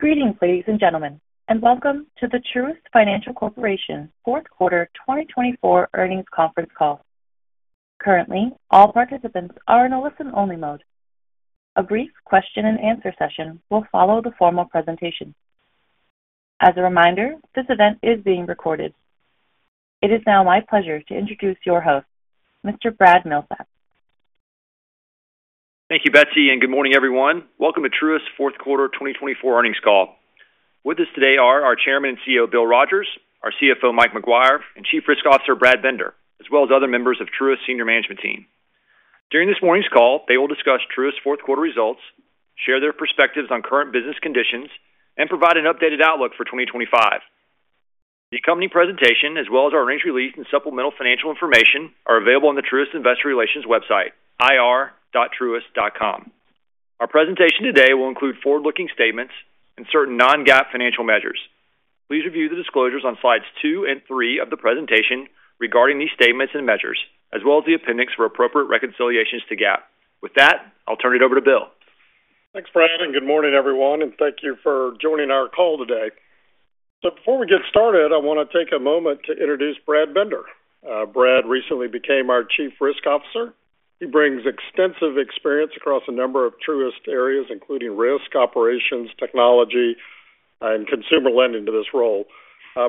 Greetings, ladies and gentlemen, and welcome to the Truist Financial Corporation Fourth Quarter 2024 earnings conference call. Currently, all participants are in a listen-only mode. A brief question-and-answer session will follow the formal presentation. As a reminder, this event is being recorded. It is now my pleasure to introduce your host, Mr. Brad Milsaps. Thank you, Betsy, and good morning, everyone. Welcome to Truist's Fourth Quarter 2024 earnings call. With us today are our Chairman and CEO, Bill Rogers, our CFO, Mike Maguire, and Chief Risk Officer, Brad Bender, as well as other members of Truist's senior management team. During this morning's call, they will discuss Truist's fourth quarter results, share their perspectives on current business conditions, and provide an updated outlook for 2025. The company presentation, as well as our earnings release and supplemental financial information, are available on the Truist Investor Relations website, ir.truist.com. Our presentation today will include forward-looking statements and certain non-GAAP financial measures. Please review the disclosures on slides two and three of the presentation regarding these statements and measures, as well as the appendix for appropriate reconciliations to GAAP. With that, I'll turn it over to Bill. Thanks, Brad, and good morning, everyone, and thank you for joining our call today. So before we get started, I want to take a moment to introduce Brad Bender. Brad recently became our Chief Risk Officer. He brings extensive experience across a number of Truist areas, including risk, operations, technology, and consumer lending to this role.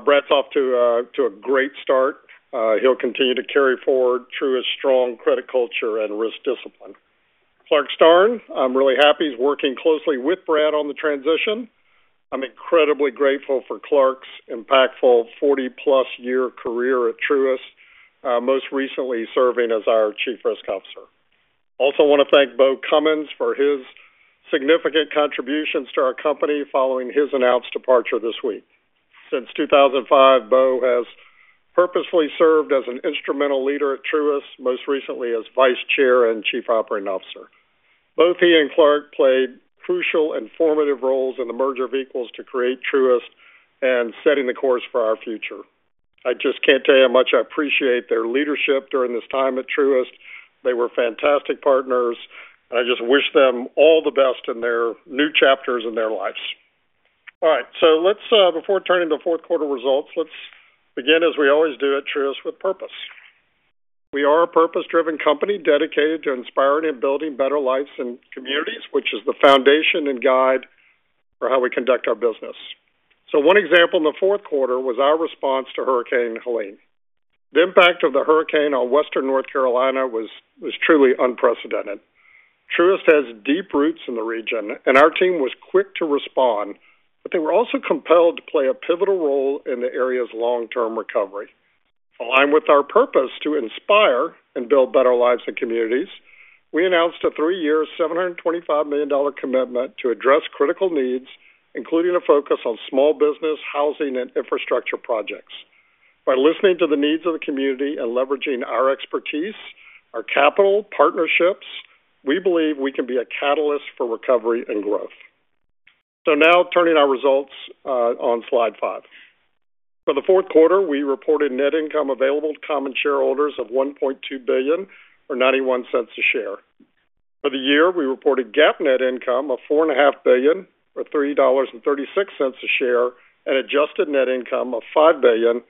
Brad's off to a great start. He'll continue to carry forward Truist's strong credit culture and risk discipline. Clarke Starnes, I'm really happy he's working closely with Brad on the transition. I'm incredibly grateful for Clarke's impactful 40-plus year career at Truist, most recently serving as our Chief Risk Officer. Also, I want to thank Beau Cummins for his significant contributions to our company following his announced departure this week. Since 2005, Beau has purposefully served as an instrumental leader at Truist, most recently as Vice Chair and Chief Operating Officer. Both he and Clarke played crucial and formative roles in the merger of equals to create Truist and setting the course for our future. I just can't tell you how much I appreciate their leadership during this time at Truist. They were fantastic partners, and I just wish them all the best in their new chapters in their lives. All right, so let's, before turning to the fourth quarter results, let's begin, as we always do at Truist, with purpose. We are a purpose-driven company dedicated to inspiring and building better lives and communities, which is the foundation and guide for how we conduct our business. So one example in the fourth quarter was our response to Hurricane Helene. The impact of the hurricane on Western North Carolina was truly unprecedented. Truist has deep roots in the region, and our team was quick to respond, but they were also compelled to play a pivotal role in the area's long-term recovery. Aligned with our purpose to inspire and build better lives and communities, we announced a three-year, $725 million commitment to address critical needs, including a focus on small business, housing, and infrastructure projects. By listening to the needs of the community and leveraging our expertise, our capital partnerships, we believe we can be a catalyst for recovery and growth. So now turning our results on slide five. For the fourth quarter, we reported net income available to common shareholders of $1.2 billion, or $0.91 a share. For the year, we reported GAAP net income of $4.5 billion, or $3.36 a share, and adjusted net income of $5 billion,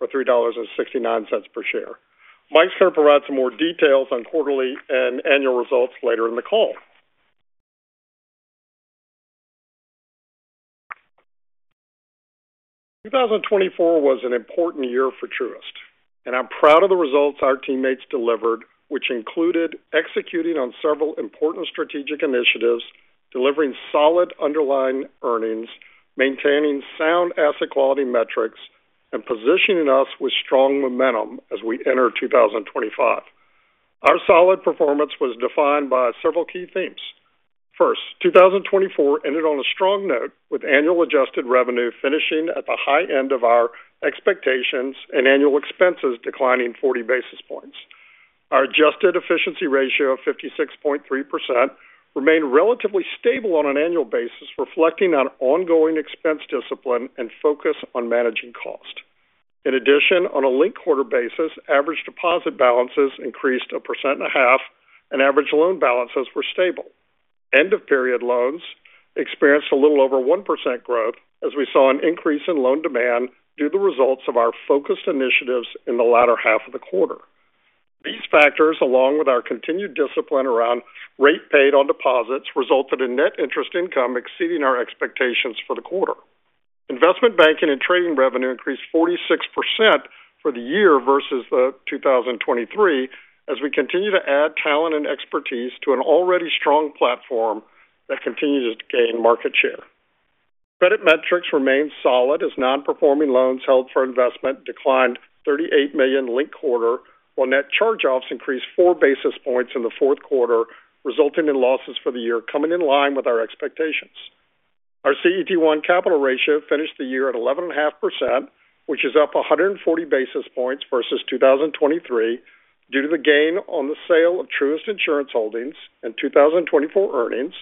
or $3.69 per share. Mike's going to provide some more details on quarterly and annual results later in the call. 2024 was an important year for Truist, and I'm proud of the results our teammates delivered, which included executing on several important strategic initiatives, delivering solid underlying earnings, maintaining sound asset quality metrics, and positioning us with strong momentum as we enter 2025. Our solid performance was defined by several key themes. First, 2024 ended on a strong note, with annual adjusted revenue finishing at the high end of our expectations and annual expenses declining 40 basis points. Our adjusted efficiency ratio of 56.3% remained relatively stable on an annual basis, reflecting on ongoing expense discipline and focus on managing cost. In addition, on a linked quarter basis, average deposit balances increased 1.5%, and average loan balances were stable. End-of-period loans experienced a little over 1% growth, as we saw an increase in loan demand due to the results of our focused initiatives in the latter half of the quarter. These factors, along with our continued discipline around rate paid on deposits, resulted in net interest income exceeding our expectations for the quarter. Investment banking and trading revenue increased 46% for the year versus 2023, as we continue to add talent and expertise to an already strong platform that continues to gain market share. Credit metrics remained solid, as non-performing loans held for investment declined $38 million linked quarter, while net charge-offs increased four basis points in the fourth quarter, resulting in losses for the year coming in line with our expectations. Our CET1 capital ratio finished the year at 11.5%, which is up 140 basis points versus 2023, due to the gain on the sale of Truist Insurance Holdings and 2024 earnings,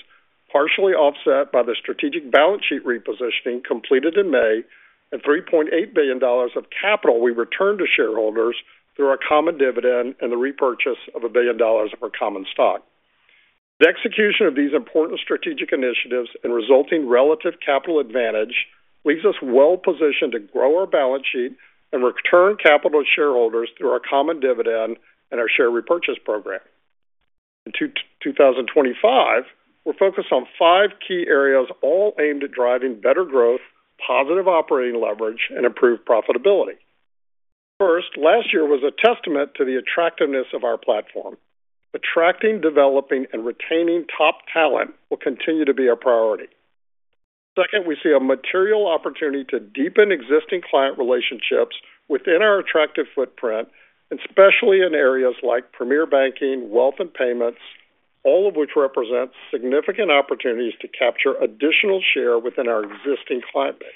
partially offset by the strategic balance sheet repositioning completed in May and $3.8 billion of capital we returned to shareholders through our common dividend and the repurchase of $1 billion of our common stock. The execution of these important strategic initiatives and resulting relative capital advantage leaves us well positioned to grow our balance sheet and return capital to shareholders through our common dividend and our share repurchase program. In 2025, we're focused on five key areas, all aimed at driving better growth, positive operating leverage, and improved profitability. First, last year was a testament to the attractiveness of our platform. Attracting, developing, and retaining top talent will continue to be our priority. Second, we see a material opportunity to deepen existing client relationships within our attractive footprint, especially in areas like Premier Banking, wealth, and payments, all of which represent significant opportunities to capture additional share within our existing client base.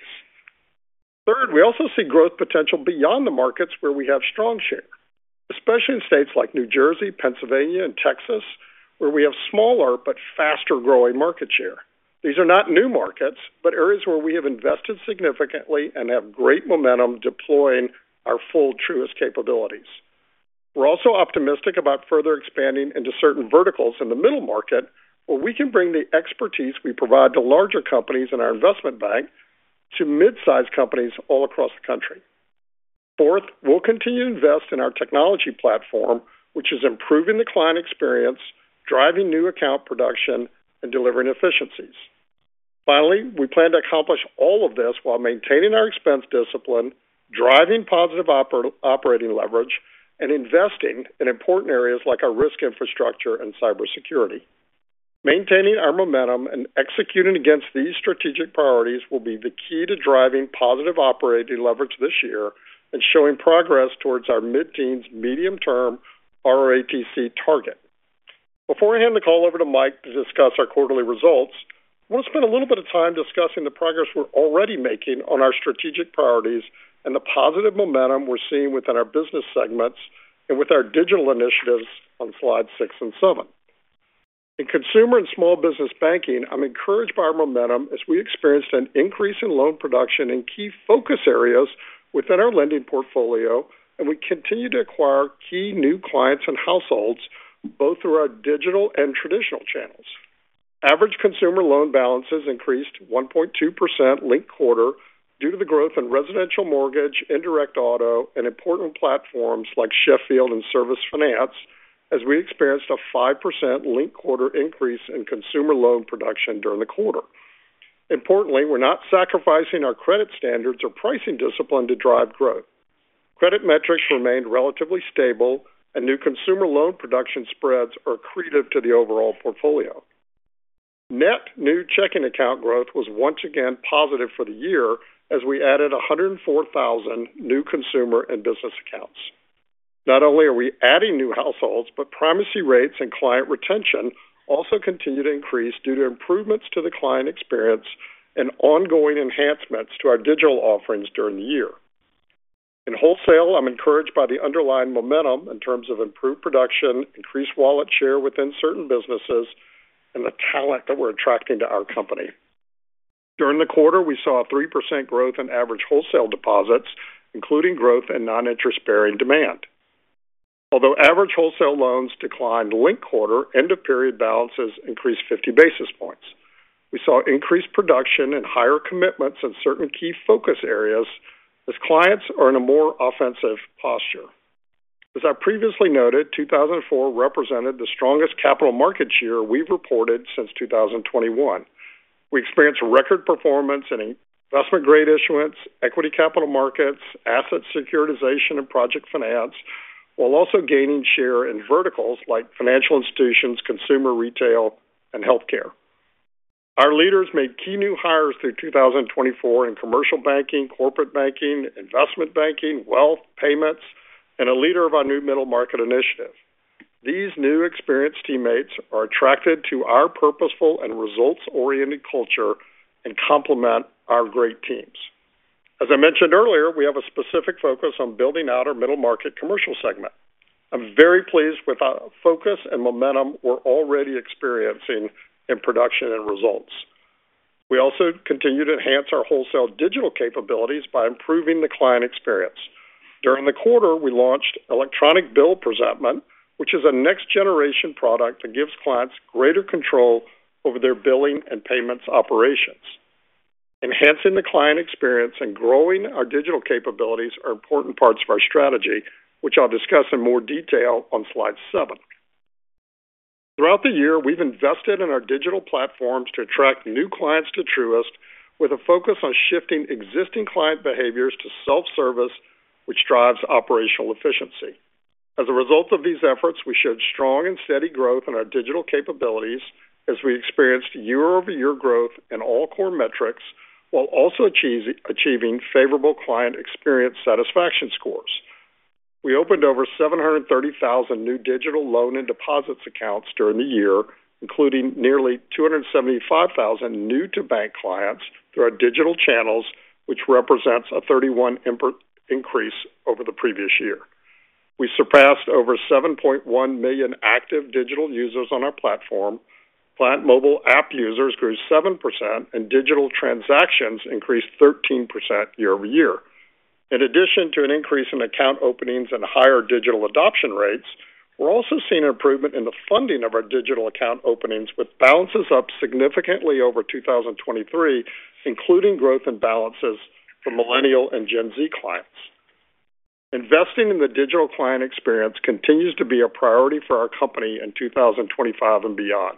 Third, we also see growth potential beyond the markets where we have strong share, especially in states like New Jersey, Pennsylvania, and Texas, where we have smaller but faster-growing market share. These are not new markets, but areas where we have invested significantly and have great momentum deploying our full Truist capabilities. We're also optimistic about further expanding into certain verticals in the middle market, where we can bring the expertise we provide to larger companies in our investment bank to mid-size companies all across the country. Fourth, we'll continue to invest in our technology platform, which is improving the client experience, driving new account production, and delivering efficiencies. Finally, we plan to accomplish all of this while maintaining our expense discipline, driving positive operating leverage, and investing in important areas like our risk infrastructure and cybersecurity. Maintaining our momentum and executing against these strategic priorities will be the key to driving positive operating leverage this year and showing progress towards our mid-teens, medium-term ROTCE target. Before I hand the call over to Mike to discuss our quarterly results, I want to spend a little bit of time discussing the progress we're already making on our strategic priorities and the positive momentum we're seeing within our business segments and with our digital initiatives on slides six and seven. In consumer and small business banking, I'm encouraged by our momentum as we experienced an increase in loan production in key focus areas within our lending portfolio, and we continue to acquire key new clients and households both through our digital and traditional channels. Average consumer loan balances increased 1.2% linked quarter due to the growth in residential mortgage, indirect auto, and important platforms like Sheffield and Service Finance, as we experienced a 5% linked quarter increase in consumer loan production during the quarter. Importantly, we're not sacrificing our credit standards or pricing discipline to drive growth. Credit metrics remained relatively stable, and new consumer loan production spreads are accretive to the overall portfolio. Net new checking account growth was once again positive for the year as we added 104,000 new consumer and business accounts. Not only are we adding new households, but primacy rates and client retention also continue to increase due to improvements to the client experience and ongoing enhancements to our digital offerings during the year. In wholesale, I'm encouraged by the underlying momentum in terms of improved production, increased wallet share within certain businesses, and the talent that we're attracting to our company. During the quarter, we saw a 3% growth in average wholesale deposits, including growth in non-interest-bearing demand. Although average wholesale loans declined linked quarter, end-of-period balances increased 50 basis points. We saw increased production and higher commitments in certain key focus areas as clients are in a more offensive posture. As I previously noted, 2024 represented the strongest capital markets year we've reported since 2021. We experienced record performance in investment-grade issuance, equity capital markets, asset securitization, and project finance, while also gaining share in verticals like financial institutions, consumer retail, and healthcare. Our leaders made key new hires through 2024 in commercial banking, corporate banking, investment banking, wealth, payments, and a leader of our new middle market initiative. These new experienced teammates are attracted to our purposeful and results-oriented culture and complement our great teams. As I mentioned earlier, we have a specific focus on building out our middle market commercial segment. I'm very pleased with the focus and momentum we're already experiencing in production and results. We also continue to enhance our wholesale digital capabilities by improving the client experience. During the quarter, we launched Electronic Bill Presentment, which is a next-generation product that gives clients greater control over their billing and payments operations. Enhancing the client experience and growing our digital capabilities are important parts of our strategy, which I'll discuss in more detail on slide seven. Throughout the year, we've invested in our digital platforms to attract new clients to Truist, with a focus on shifting existing client behaviors to self-service, which drives operational efficiency. As a result of these efforts, we showed strong and steady growth in our digital capabilities as we experienced year-over-year growth in all core metrics, while also achieving favorable client experience satisfaction scores. We opened over 730,000 new digital loan and deposits accounts during the year, including nearly 275,000 new-to-bank clients through our digital channels, which represents a 31% increase over the previous year. We surpassed over 7.1 million active digital users on our platform. Client mobile app users grew 7%, and digital transactions increased 13% year-over-year. In addition to an increase in account openings and higher digital adoption rates, we're also seeing improvement in the funding of our digital account openings, which balances up significantly over 2023, including growth in balances for millennial and Gen Z clients. Investing in the digital client experience continues to be a priority for our company in 2025 and beyond.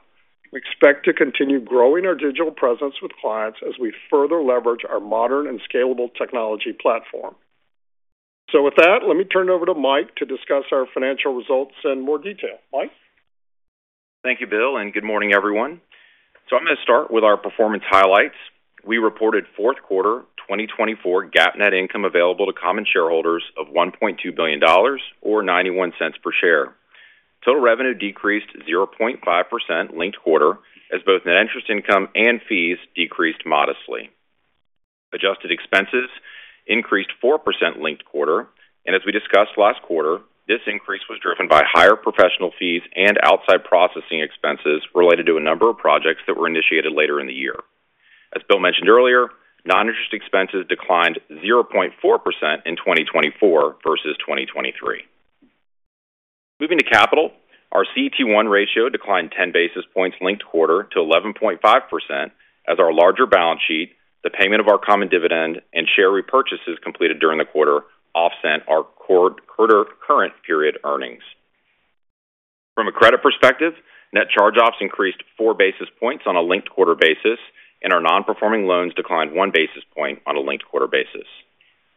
We expect to continue growing our digital presence with clients as we further leverage our modern and scalable technology platform. So with that, let me turn it over to Mike to discuss our financial results in more detail. Mike. Thank you, Bill, and good morning, everyone. So I'm going to start with our performance highlights. We reported fourth quarter 2024 GAAP net income available to common shareholders of $1.2 billion, or $0.91 per share. Total revenue decreased 0.5% linked quarter, as both net interest income and fees decreased modestly. Adjusted expenses increased 4% linked quarter, and as we discussed last quarter, this increase was driven by higher professional fees and outside processing expenses related to a number of projects that were initiated later in the year. As Bill mentioned earlier, non-interest expenses declined 0.4% in 2024 versus 2023. Moving to capital, our CET1 ratio declined 10 basis points linked quarter to 11.5%, as our larger balance sheet, the payment of our common dividend, and share repurchases completed during the quarter offset our quarter current period earnings. From a credit perspective, net charge-offs increased 4 basis points on a linked quarter basis, and our non-performing loans declined 1 basis point on a linked quarter basis.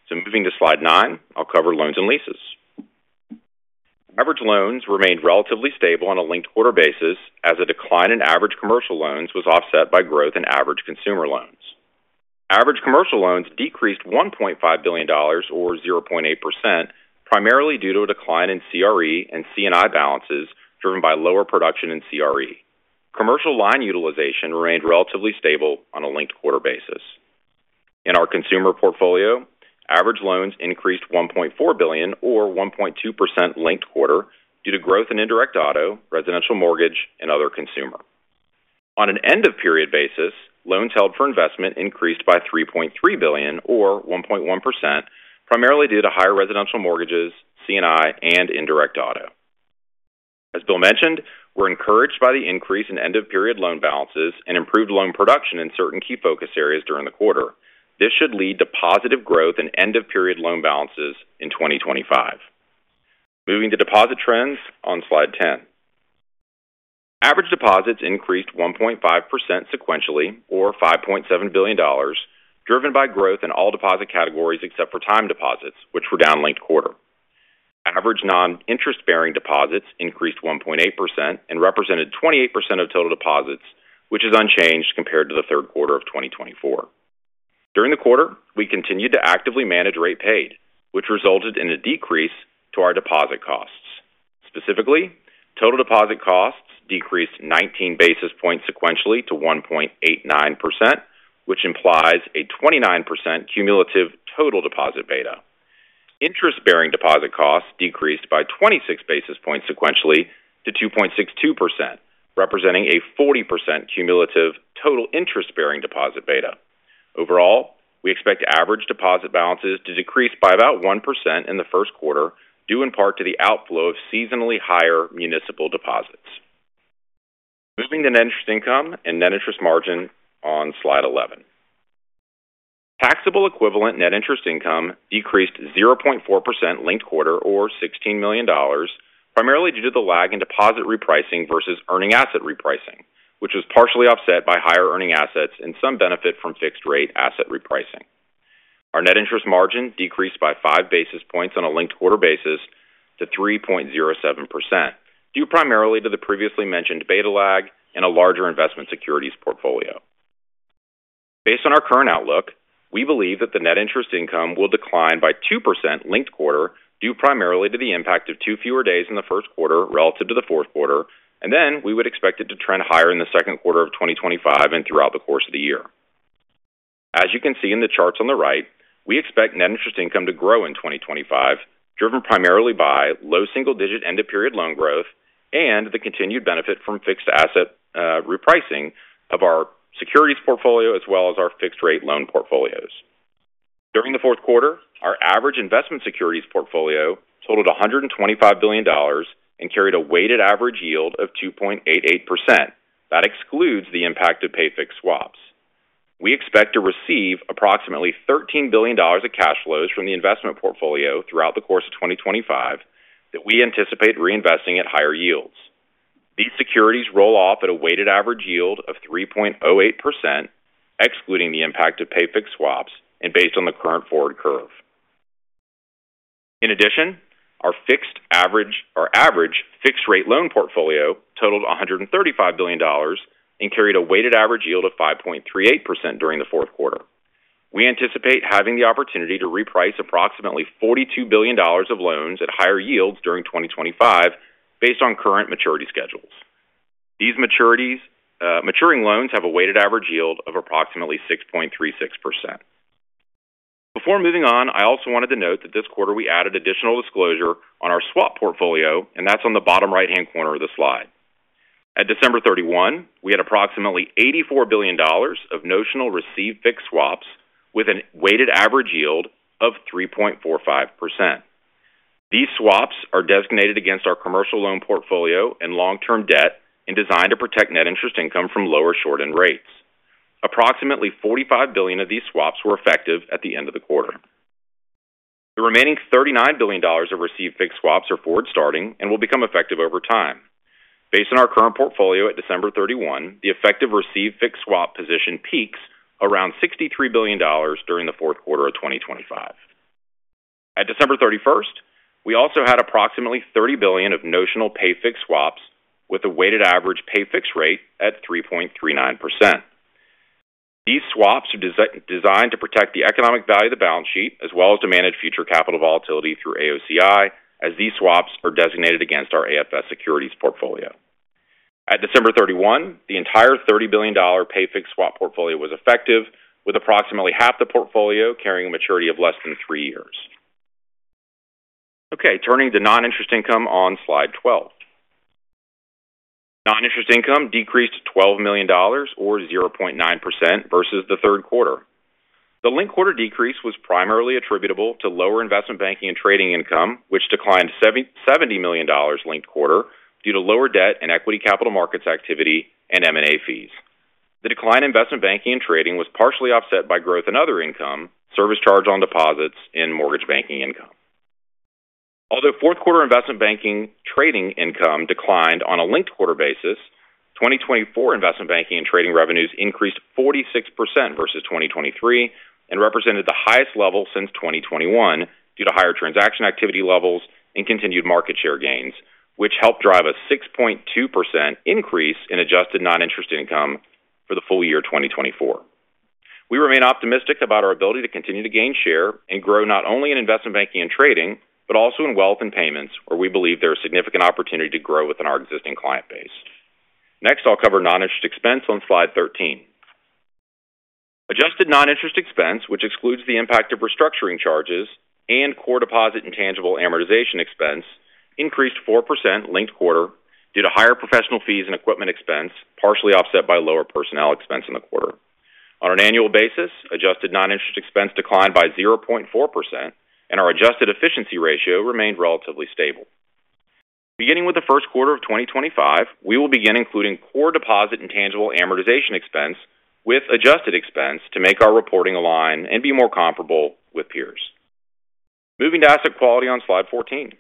So moving to slide nine, I'll cover loans and leases. Average loans remained relatively stable on a linked quarter basis, as a decline in average commercial loans was offset by growth in average consumer loans. Average commercial loans decreased $1.5 billion, or 0.8%, primarily due to a decline in CRE and C&I balances driven by lower production in CRE. Commercial line utilization remained relatively stable on a linked quarter basis. In our consumer portfolio, average loans increased $1.4 billion, or 1.2% linked quarter, due to growth in indirect auto, residential mortgage, and other consumer. On an end-of-period basis, loans held for investment increased by $3.3 billion, or 1.1%, primarily due to higher residential mortgages, C&I, and indirect auto. As Bill mentioned, we're encouraged by the increase in end-of-period loan balances and improved loan production in certain key focus areas during the quarter. This should lead to positive growth in end-of-period loan balances in 2025. Moving to deposit trends on slide ten. Average deposits increased 1.5% sequentially, or $5.7 billion, driven by growth in all deposit categories except for time deposits, which were down linked quarter. Average non-interest-bearing deposits increased 1.8% and represented 28% of total deposits, which is unchanged compared to the third quarter of 2024. During the quarter, we continued to actively manage rate paid, which resulted in a decrease to our deposit costs. Specifically, total deposit costs decreased 19 basis points sequentially to 1.89%, which implies a 29% cumulative total deposit beta. Interest-bearing deposit costs decreased by 26 basis points sequentially to 2.62%, representing a 40% cumulative total interest-bearing deposit beta. Overall, we expect average deposit balances to decrease by about 1% in the first quarter, due in part to the outflow of seasonally higher municipal deposits. Moving to net interest income and net interest margin on slide 11. Taxable equivalent net interest income decreased 0.4% linked quarter, or $16 million, primarily due to the lag in deposit repricing versus earning asset repricing, which was partially offset by higher earning assets and some benefit from fixed-rate asset repricing. Our net interest margin decreased by 5 basis points on a linked quarter basis to 3.07%, due primarily to the previously mentioned beta lag and a larger investment securities portfolio. Based on our current outlook, we believe that the net interest income will decline by 2% linked quarter, due primarily to the impact of two fewer days in the first quarter relative to the fourth quarter, and then we would expect it to trend higher in the second quarter of 2025 and throughout the course of the year. As you can see in the charts on the right, we expect net interest income to grow in 2025, driven primarily by low single-digit end-of-period loan growth and the continued benefit from fixed asset repricing of our securities portfolio as well as our fixed-rate loan portfolios. During the fourth quarter, our average investment securities portfolio totaled $125 billion and carried a weighted average yield of 2.88%. That excludes the impact of pay-fixed swaps. We expect to receive approximately $13 billion of cash flows from the investment portfolio throughout the course of 2025 that we anticipate reinvesting at higher yields. These securities roll off at a weighted average yield of 3.08%, excluding the impact of pay-fixed swaps and based on the current forward curve. In addition, our average fixed-rate loan portfolio totaled $135 billion and carried a weighted average yield of 5.38% during the fourth quarter. We anticipate having the opportunity to reprice approximately $42 billion of loans at higher yields during 2025 based on current maturity schedules. These maturing loans have a weighted average yield of approximately 6.36%. Before moving on, I also wanted to note that this quarter we added additional disclosure on our swap portfolio, and that's on the bottom right-hand corner of the slide. At December 31, we had approximately $84 billion of notional receive-fixed swaps with a weighted average yield of 3.45%. These swaps are designated against our commercial loan portfolio and long-term debt and designed to protect net interest income from lower short-end rates. Approximately $45 billion of these swaps were effective at the end of the quarter. The remaining $39 billion of receive-fixed swaps are forward starting and will become effective over time. Based on our current portfolio at December 31, the effective receive-fixed swap position peaks around $63 billion during the fourth quarter of 2025. At December 31st, we also had approximately $30 billion of notional pay-fixed swaps with a weighted average pay-fixed rate at 3.39%. These swaps are designed to protect the economic value of the balance sheet as well as to manage future capital volatility through AOCI, as these swaps are designated against our AFS securities portfolio. At December 31, the entire $30 billion pay-fixed swap portfolio was effective, with approximately half the portfolio carrying a maturity of less than three years. Okay, turning to non-interest income on slide 12. Non-interest income decreased $12 million, or 0.9%, versus the third quarter. The linked quarter decrease was primarily attributable to lower investment banking and trading income, which declined $70 million linked quarter due to lower debt and equity capital markets activity and M&A fees. The decline in investment banking and trading was partially offset by growth in other income, service charge on deposits, and mortgage banking income. Although fourth quarter investment banking trading income declined on a linked quarter basis, 2024 investment banking and trading revenues increased 46% versus 2023 and represented the highest level since 2021 due to higher transaction activity levels and continued market share gains, which helped drive a 6.2% increase in adjusted non-interest income for the full year 2024. We remain optimistic about our ability to continue to gain share and grow not only in investment banking and trading, but also in wealth and payments, where we believe there is significant opportunity to grow within our existing client base. Next, I'll cover non-interest expense on slide 13. Adjusted non-interest expense, which excludes the impact of restructuring charges and core deposit intangible amortization expense, increased 4% linked quarter due to higher professional fees and equipment expense, partially offset by lower personnel expense in the quarter. On an annual basis, adjusted non-interest expense declined by 0.4%, and our adjusted efficiency ratio remained relatively stable. Beginning with the first quarter of 2025, we will begin including core deposit intangible amortization expense with adjusted expense to make our reporting align and be more comparable with peers. Moving to asset quality on slide 14.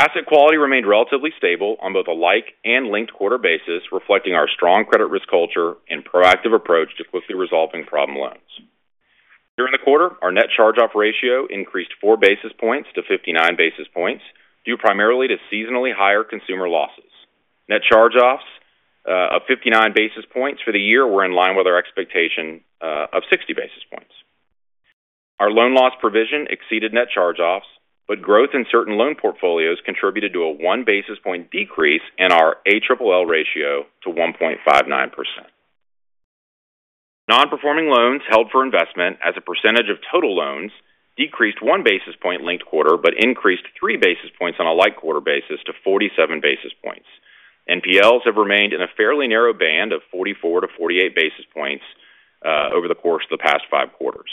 Asset quality remained relatively stable on both a like and linked quarter basis, reflecting our strong credit risk culture and proactive approach to quickly resolving problem loans. During the quarter, our net charge-off ratio increased four basis points to 59 basis points due primarily to seasonally higher consumer losses. Net charge-offs of 59 basis points for the year were in line with our expectation of 60 basis points. Our loan loss provision exceeded net charge-offs, but growth in certain loan portfolios contributed to a one basis point decrease in our ALLL ratio to 1.59%. Non-performing loans held for investment as a percentage of total loans decreased one basis point linked quarter, but increased three basis points on a like quarter basis to 47 basis points. NPLs have remained in a fairly narrow band of 44 to 48 basis points over the course of the past five quarters.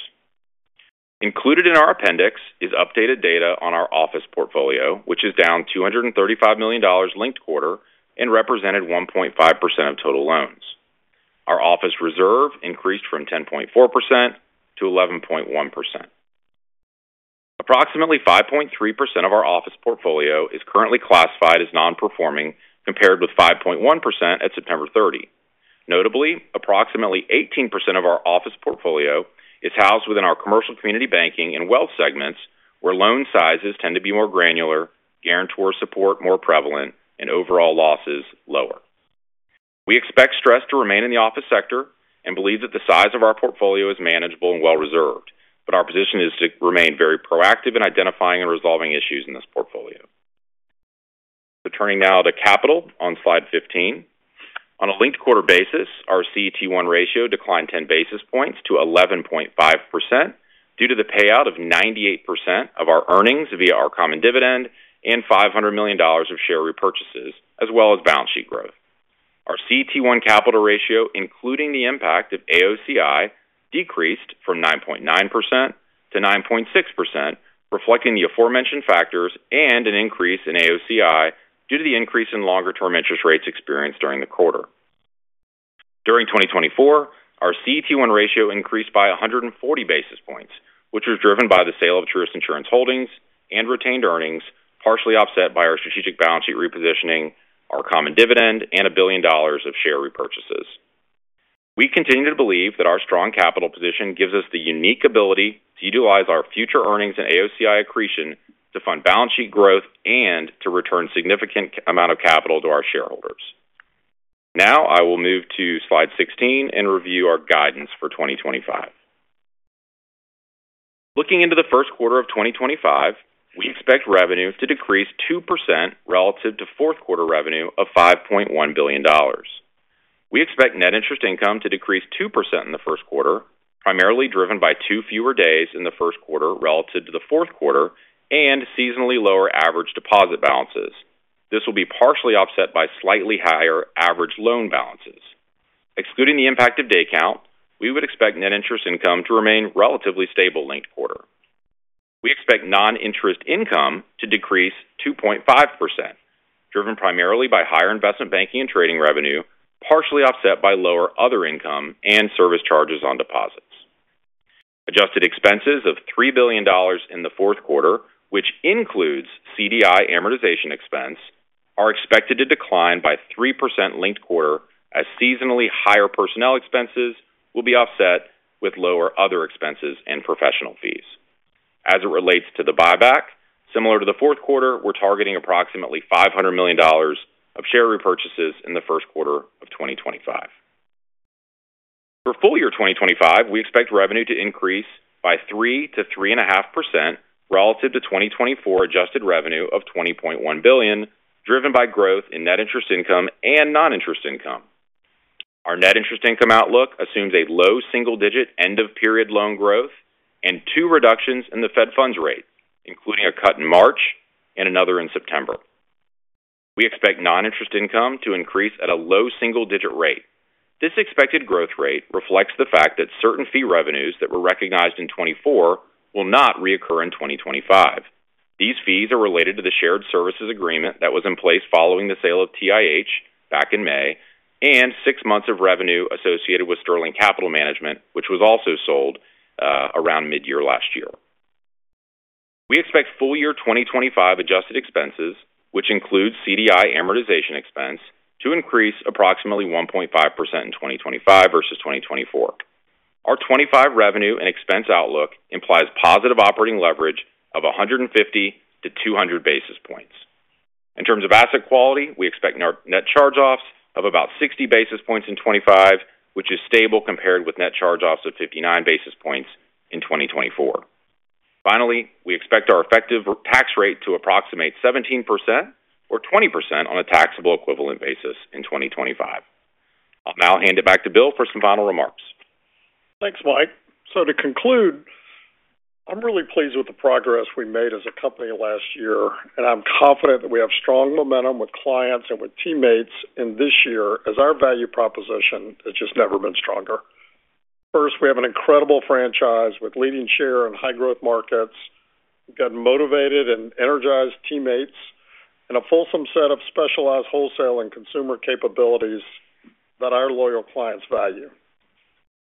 Included in our appendix is updated data on our office portfolio, which is down $235 million linked quarter and represented 1.5% of total loans. Our office reserve increased from 10.4% to 11.1%. Approximately 5.3% of our office portfolio is currently classified as non-performing compared with 5.1% at September 30. Notably, approximately 18% of our office portfolio is housed within our Commercial Community Banking and wealth segments, where loan sizes tend to be more granular, guarantor support more prevalent, and overall losses lower. We expect stress to remain in the office sector and believe that the size of our portfolio is manageable and well reserved, but our position is to remain very proactive in identifying and resolving issues in this portfolio, so turning now to capital on slide 15. On a linked quarter basis, our CET1 ratio declined 10 basis points to 11.5% due to the payout of 98% of our earnings via our common dividend and $500 million of share repurchases, as well as balance sheet growth. Our CET1 capital ratio, including the impact of AOCI, decreased from 9.9% to 9.6%, reflecting the aforementioned factors and an increase in AOCI due to the increase in longer-term interest rates experienced during the quarter. During 2024, our CET1 ratio increased by 140 basis points, which was driven by the sale of Truist Insurance Holdings and retained earnings, partially offset by our strategic balance sheet repositioning, our common dividend, and $1 billion of share repurchases. We continue to believe that our strong capital position gives us the unique ability to utilize our future earnings and AOCI accretion to fund balance sheet growth and to return a significant amount of capital to our shareholders. Now I will move to slide 16 and review our guidance for 2025. Looking into the first quarter of 2025, we expect revenue to decrease 2% relative to fourth quarter revenue of $5.1 billion. We expect net interest income to decrease 2% in the first quarter, primarily driven by two fewer days in the first quarter relative to the fourth quarter and seasonally lower average deposit balances. This will be partially offset by slightly higher average loan balances. Excluding the impact of day count, we would expect net interest income to remain relatively stable linked quarter. We expect non-interest income to decrease 2.5%, driven primarily by higher investment banking and trading revenue, partially offset by lower other income and service charges on deposits. Adjusted expenses of $3 billion in the fourth quarter, which includes CDI amortization expense, are expected to decline by 3% linked quarter as seasonally higher personnel expenses will be offset with lower other expenses and professional fees. As it relates to the buyback, similar to the fourth quarter, we're targeting approximately $500 million of share repurchases in the first quarter of 2025. For full year 2025, we expect revenue to increase by 3%-3.5% relative to 2024 adjusted revenue of $20.1 billion, driven by growth in net interest income and non-interest income. Our net interest income outlook assumes a low single-digit end-of-period loan growth and two reductions in the Fed funds rate, including a cut in March and another in September. We expect non-interest income to increase at a low single-digit rate. This expected growth rate reflects the fact that certain fee revenues that were recognized in 2024 will not reoccur in 2025. These fees are related to the shared services agreement that was in place following the sale of TIH back in May and six months of revenue associated with Sterling Capital Management, which was also sold around mid-year last year. We expect full year 2025 adjusted expenses, which includes CDI amortization expense, to increase approximately 1.5% in 2025 versus 2024. Our 2025 revenue and expense outlook implies positive operating leverage of 150-200 basis points. In terms of asset quality, we expect net charge-offs of about 60 basis points in 2025, which is stable compared with net charge-offs of 59 basis points in 2024. Finally, we expect our effective tax rate to approximate 17% or 20% on a taxable equivalent basis in 2025. I'll now hand it back to Bill for some final remarks. Thanks, Mike. So to conclude, I'm really pleased with the progress we made as a company last year, and I'm confident that we have strong momentum with clients and with teammates in this year as our value proposition has just never been stronger. First, we have an incredible franchise with leading share in high-growth markets. We've got motivated and energized teammates and a fulsome set of specialized wholesale and consumer capabilities that our loyal clients value.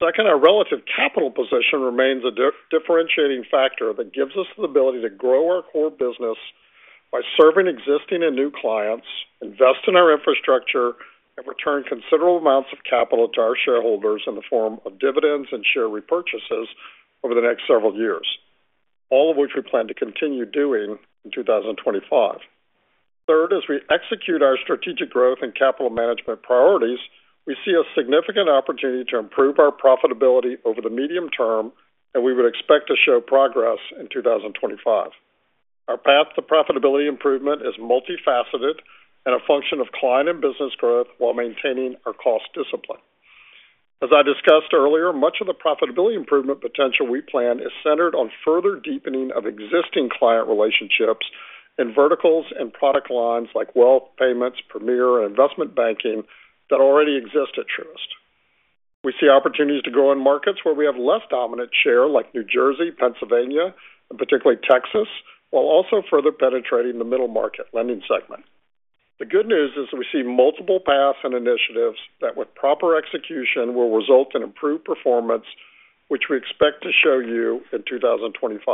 Second, our relative capital position remains a differentiating factor that gives us the ability to grow our core business by serving existing and new clients, invest in our infrastructure, and return considerable amounts of capital to our shareholders in the form of dividends and share repurchases over the next several years, all of which we plan to continue doing in 2025. Third, as we execute our strategic growth and capital management priorities, we see a significant opportunity to improve our profitability over the medium term, and we would expect to show progress in 2025. Our path to profitability improvement is multifaceted and a function of client and business growth while maintaining our cost discipline. As I discussed earlier, much of the profitability improvement potential we plan is centered on further deepening of existing client relationships in verticals and product lines like wealth, payments, premier, and investment banking that already exist at Truist. We see opportunities to go in markets where we have less dominant share like New Jersey, Pennsylvania, and particularly Texas, while also further penetrating the middle market lending segment. The good news is that we see multiple paths and initiatives that, with proper execution, will result in improved performance, which we expect to show you in 2025.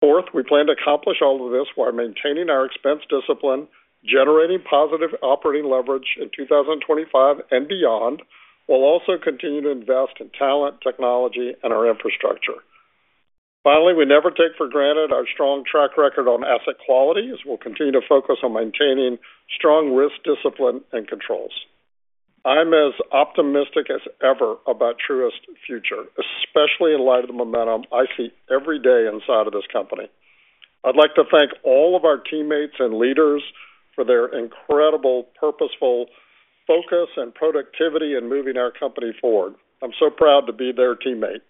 Fourth, we plan to accomplish all of this while maintaining our expense discipline, generating positive operating leverage in 2025 and beyond, while also continuing to invest in talent, technology, and our infrastructure. Finally, we never take for granted our strong track record on asset quality, as we'll continue to focus on maintaining strong risk discipline and controls. I'm as optimistic as ever about Truist's future, especially in light of the momentum I see every day inside of this company. I'd like to thank all of our teammates and leaders for their incredible, purposeful focus and productivity in moving our company forward. I'm so proud to be their teammate.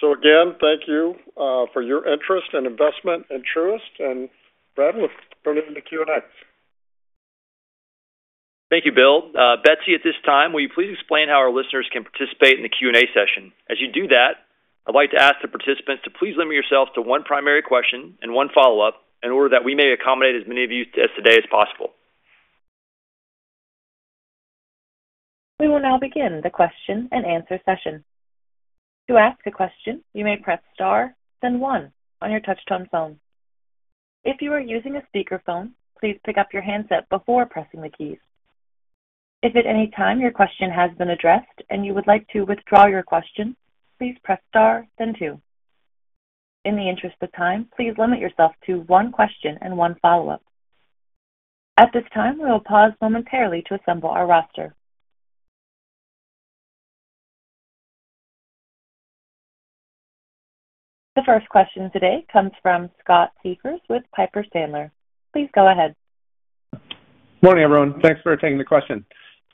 So again, thank you for your interest and investment in Truist, and Brad, we'll turn it over to Q&A. Thank you, Bill. Betsy, at this time, will you please explain how our listeners can participate in the Q&A session? As you do that, I'd like to ask the participants to please limit yourselves to one primary question and one follow-up in order that we may accommodate as many of you as possible today. We will now begin the question and answer session. To ask a question, you may press star, then one on your touch-tone phone. If you are using a speakerphone, please pick up your handset before pressing the keys. If at any time your question has been addressed and you would like to withdraw your question, please press star, then two. In the interest of time, please limit yourself to one question and one follow-up. At this time, we will pause momentarily to assemble our roster. The first question today comes from Scott Siefers with Piper Sandler. Please go ahead. Morning, everyone. Thanks for taking the question.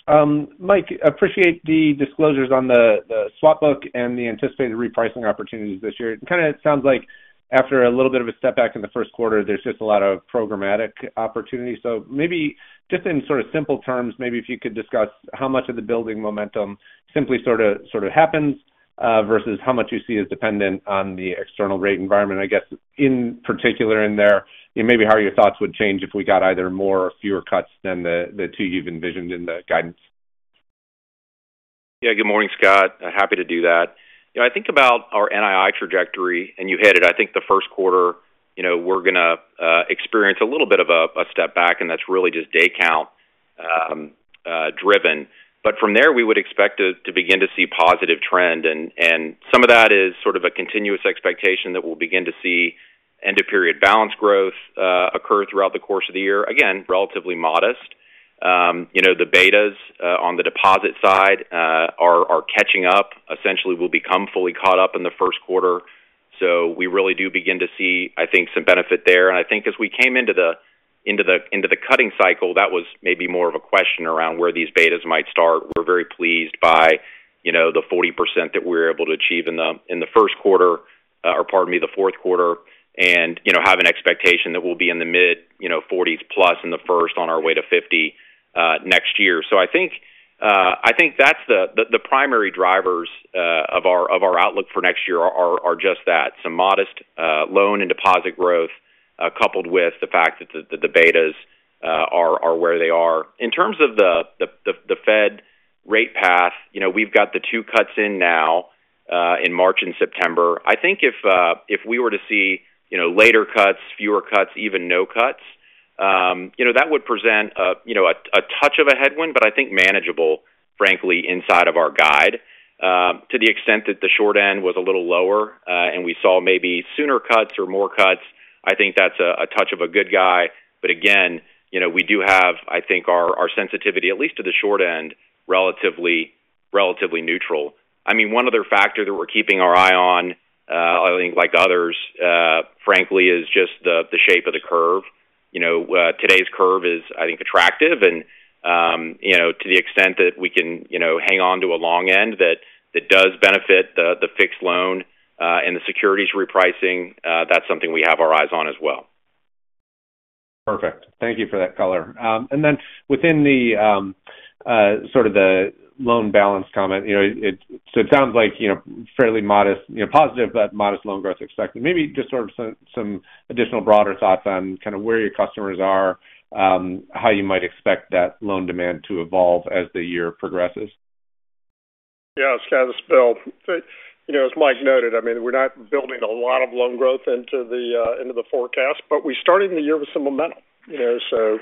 Mike, I appreciate the disclosures on the swap book and the anticipated repricing opportunities this year. It kind of sounds like after a little bit of a step back in the first quarter, there's just a lot of programmatic opportunity. So maybe just in sort of simple terms, maybe if you could discuss how much of the building momentum simply sort of happens versus how much you see as dependent on the external rate environment, I guess, in particular in there, and maybe how your thoughts would change if we got either more or fewer cuts than the two you've envisioned in the guidance. Yeah, good morning, Scott. Happy to do that. I think about our NII trajectory, and you hit it. I think the first quarter, we're going to experience a little bit of a step back, and that's really just day count driven. But from there, we would expect to begin to see a positive trend, and some of that is sort of a continuous expectation that we'll begin to see end-of-period balance growth occur throughout the course of the year. Again, relatively modest. The betas on the deposit side are catching up. Essentially, we'll become fully caught up in the first quarter. So we really do begin to see, I think, some benefit there. And I think as we came into the cutting cycle, that was maybe more of a question around where these betas might start. We're very pleased by the 40% that we were able to achieve in the first quarter, or pardon me, the fourth quarter, and have an expectation that we'll be in the mid-40s+ in the first on our way to 50 next year. So I think that's the primary drivers of our outlook for next year are just that: some modest loan and deposit growth coupled with the fact that the betas are where they are. In terms of the Fed rate path, we've got the two cuts in now in March and September. I think if we were to see later cuts, fewer cuts, even no cuts, that would present a touch of a headwind, but I think manageable, frankly, inside of our guide. To the extent that the short end was a little lower and we saw maybe sooner cuts or more cuts, I think that's a touch of a tailwind. But again, we do have, I think, our sensitivity, at least to the short end, relatively neutral. I mean, one other factor that we're keeping our eye on, I think like others, frankly, is just the shape of the curve. Today's curve is, I think, attractive, and to the extent that we can hang on to a long end that does benefit the fixed loan and the securities repricing, that's something we have our eyes on as well. Perfect. Thank you for that color. And then within sort of the loan balance comment, so it sounds like fairly modest, positive, but modest loan growth expected. Maybe just sort of some additional broader thoughts on kind of where your customers are, how you might expect that loan demand to evolve as the year progresses. Yeah, Scott, it's Bill. As Mike noted, I mean, we're not building a lot of loan growth into the forecast, but we started the year with some momentum. So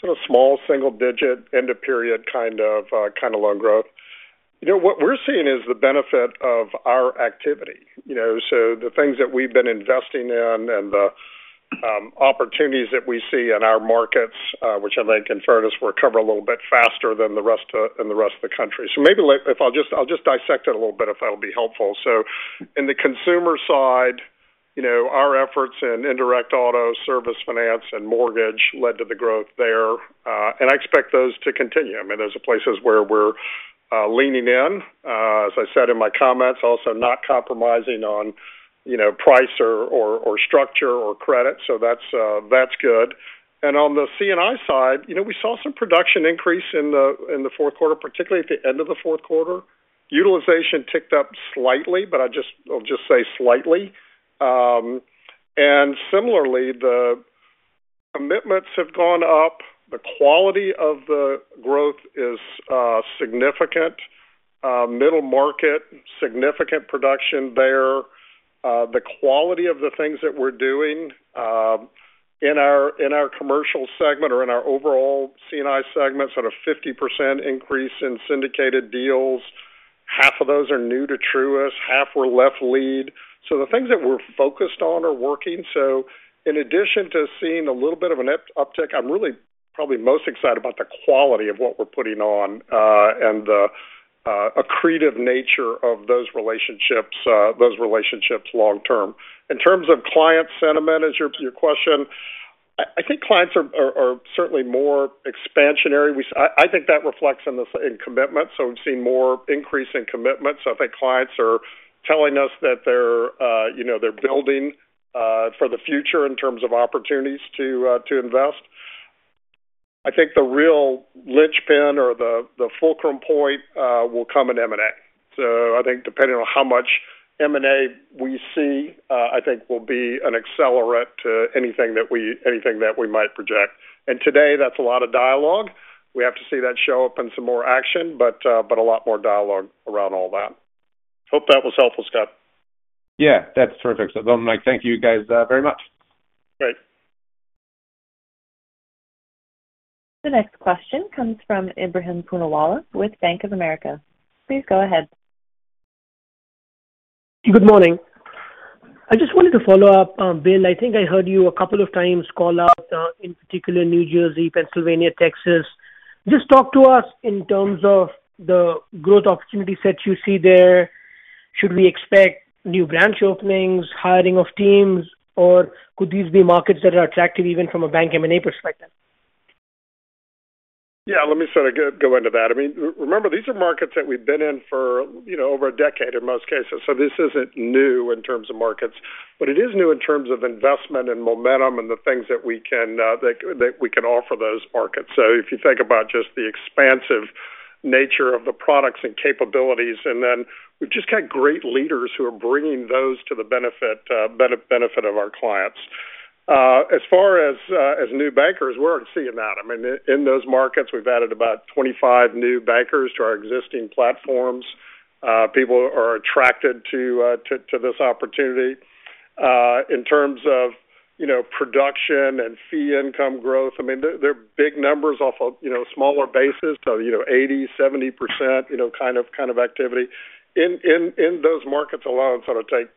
sort of small, single-digit end-of-period kind of loan growth. What we're seeing is the benefit of our activity. So the things that we've been investing in and the opportunities that we see in our markets, which I think in fairness, we'll cover a little bit faster than the rest of the country. So maybe I'll just dissect it a little bit if that'll be helpful. So in the consumer side, our efforts in indirect auto, Service Finance, and mortgage led to the growth there, and I expect those to continue. I mean, those are places where we're leaning in, as I said in my comments, also not compromising on price or structure or credit. So that's good. And on the C&I side, we saw some production increase in the fourth quarter, particularly at the end of the fourth quarter. Utilization ticked up slightly, but I'll just say slightly. And similarly, the commitments have gone up. The quality of the growth is significant. Middle market, significant production there. The quality of the things that we're doing in our commercial segment or in our overall C&I segment, sort of 50% increase in syndicated deals. Half of those are new to Truist. Half were lead left. So the things that we're focused on are working. So in addition to seeing a little bit of an uptick, I'm really probably most excited about the quality of what we're putting on and the accretive nature of those relationships long-term. In terms of client sentiment, as your question, I think clients are certainly more expansionary. I think that reflects in commitment. So we've seen more increase in commitment. So I think clients are telling us that they're building for the future in terms of opportunities to invest. I think the real linchpin or the fulcrum point will come in M&A. So I think depending on how much M&A we see, I think will be an accelerant to anything that we might project. And today, that's a lot of dialogue. We have to see that show up in some more action, but a lot more dialogue around all that. Hope that was helpful, Scott. Yeah, that's terrific. So then, Mike, thank you guys very much. Great. The next question comes from Ebrahim Poonawala with Bank of America. Please go ahead. Good morning. I just wanted to follow up, Bill. I think I heard you a couple of times call out, in particular, New Jersey, Pennsylvania, Texas. Just talk to us in terms of the growth opportunity sets you see there. Should we expect new branch openings, hiring of teams, or could these be markets that are attractive even from a bank M&A perspective? Yeah, let me sort of go into that. I mean, remember, these are markets that we've been in for over a decade in most cases. So this isn't new in terms of markets, but it is new in terms of investment and momentum and the things that we can offer those markets. So if you think about just the expansive nature of the products and capabilities, and then we've just got great leaders who are bringing those to the benefit of our clients. As far as new bankers, we're seeing that. I mean, in those markets, we've added about 25 new bankers to our existing platforms. People are attracted to this opportunity. In terms of production and fee income growth, I mean, they're big numbers off a smaller basis, so 80, 70% kind of activity. In those markets alone, sort of take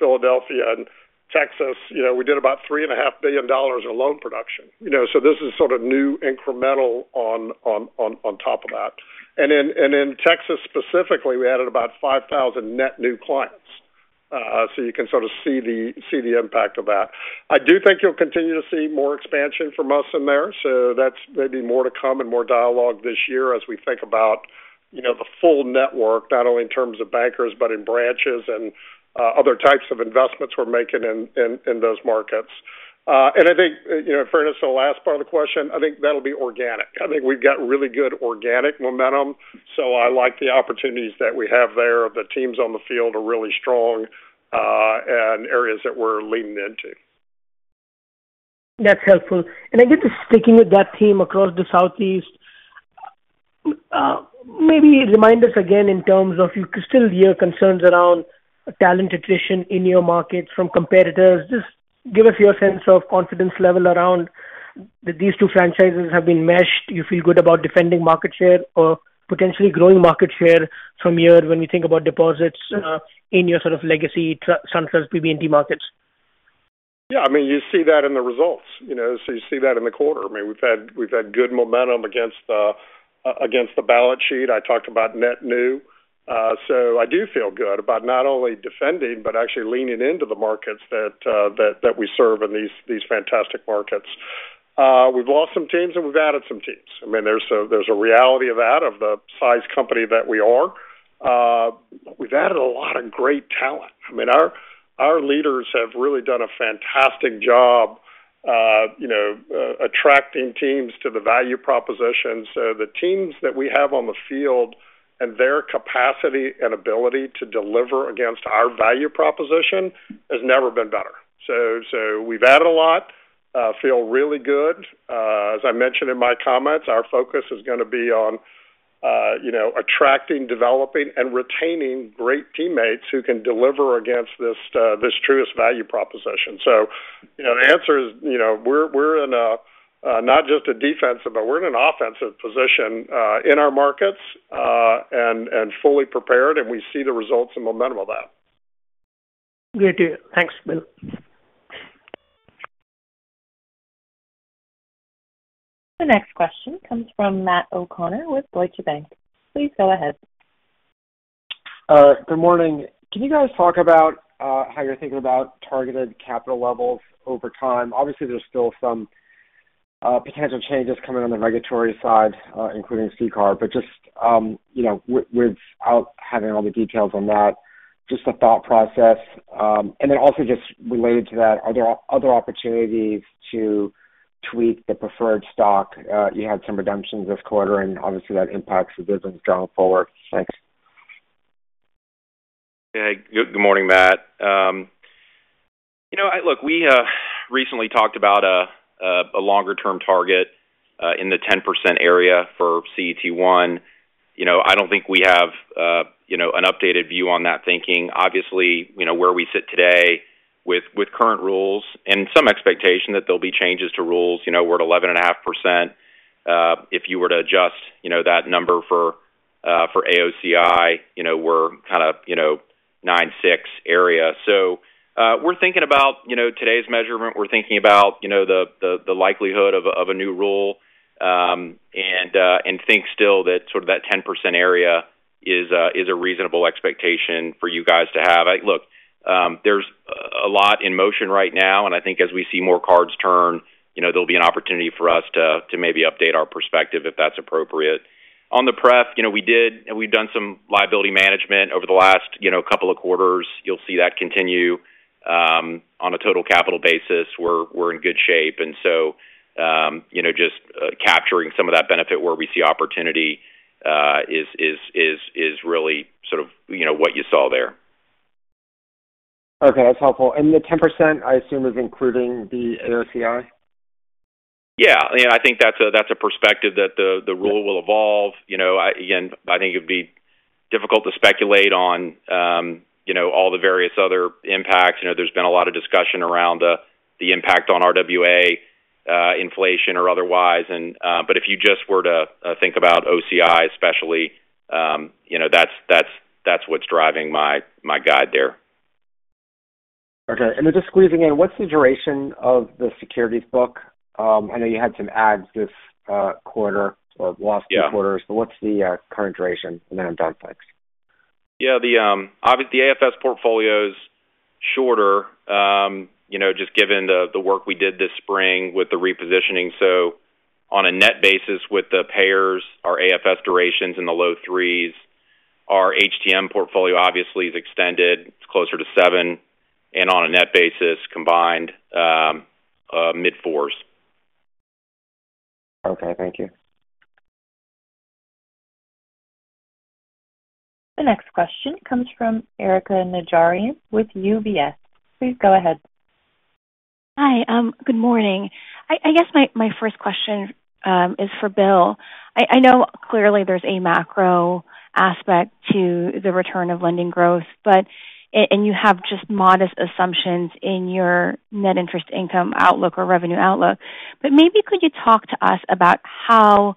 Philadelphia and Texas, we did about $3.5 billion in loan production. So this is sort of new incremental on top of that. And in Texas specifically, we added about 5,000 net new clients. So you can sort of see the impact of that. I do think you'll continue to see more expansion from us in there. So that's maybe more to come and more dialogue this year as we think about the full network, not only in terms of bankers, but in branches and other types of investments we're making in those markets. And I think, in fairness, the last part of the question, I think that'll be organic. I think we've got really good organic momentum. So I like the opportunities that we have there. The teams on the field are really strong in areas that we're leaning into. That's helpful. And I guess just sticking with that theme across the Southeast, maybe remind us again in terms of you still hear concerns around talent attrition in your markets from competitors. Just give us your sense of confidence level around that these two franchises have been meshed. You feel good about defending market share or potentially growing market share from here when we think about deposits in your sort of legacy SunTrust, BB&T markets. Yeah, I mean, you see that in the results. So you see that in the quarter. I mean, we've had good momentum against the balance sheet. I talked about net new. So I do feel good about not only defending, but actually leaning into the markets that we serve in these fantastic markets. We've lost some teams, and we've added some teams. I mean, there's a reality of that, of the size company that we are. We've added a lot of great talent. I mean, our leaders have really done a fantastic job attracting teams to the value proposition. So the teams that we have on the field and their capacity and ability to deliver against our value proposition has never been better. So we've added a lot. I feel really good. As I mentioned in my comments, our focus is going to be on attracting, developing, and retaining great teammates who can deliver against this Truist value proposition. So the answer is we're in not just a defensive, but we're in an offensive position in our markets and fully prepared, and we see the results and momentum of that. Great to hear. Thanks, Bill. The next question comes from Matt O'Connor with Deutsche Bank. Please go ahead. Good morning. Can you guys talk about how you're thinking about targeted capital levels over time? Obviously, there's still some potential changes coming on the regulatory side, including CCAR, but just without having all the details on that, just the thought process. And then also just related to that, are there other opportunities to tweak the preferred stock? You had some redemptions this quarter, and obviously, that impacts the business going forward. Thanks. Yeah, good morning, Matt. Look, we recently talked about a longer-term target in the 10% area for CET1. I don't think we have an updated view on that thinking. Obviously, where we sit today with current rules and some expectation that there'll be changes to rules, we're at 11.5%. If you were to adjust that number for AOCI, we're kind of 9.6% area. So we're thinking about today's measurement. We're thinking about the likelihood of a new rule and think still that sort of that 10% area is a reasonable expectation for you guys to have. Look, there's a lot in motion right now, and I think as we see more cards turn, there'll be an opportunity for us to maybe update our perspective if that's appropriate. On the prep, we did and we've done some liability management over the last couple of quarters. You'll see that continue on a total capital basis. We're in good shape. And so just capturing some of that benefit where we see opportunity is really sort of what you saw there. Okay, that's helpful. And the 10%, I assume, is including the AOCI? Yeah. I mean, I think that's a perspective that the rule will evolve. Again, I think it would be difficult to speculate on all the various other impacts. There's been a lot of discussion around the impact on RWA, inflation, or otherwise. But if you just were to think about OCI especially, that's what's driving my guide there. Okay. And then just squeezing in, what's the duration of the securities book? I know you had some adds this quarter or last two quarters, but what's the current duration? And then I'm done. Thanks. Yeah, the AFS portfolio is shorter just given the work we did this spring with the repositioning. So on a net basis with the payers, our AFS durations in the low threes. Our HTM portfolio, obviously, is extended. It's closer to seven. And on a net basis combined, mid-fours. Okay, thank you. The next question comes from Erika Najarian with UBS. Please go ahead. Hi, good morning. I guess my first question is for Bill. I know clearly there's a macro aspect to the return of lending growth, and you have just modest assumptions in your net interest income outlook or revenue outlook. But maybe could you talk to us about how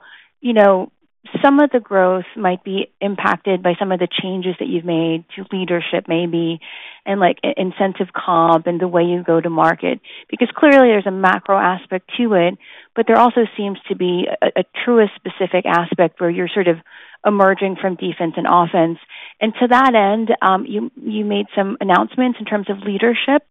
some of the growth might be impacted by some of the changes that you've made to leadership maybe and incentive comp and the way you go to market? Because clearly, there's a macro aspect to it, but there also seems to be a Truist-specific aspect where you're sort of emerging from defense and offense. And to that end, you made some announcements in terms of leadership.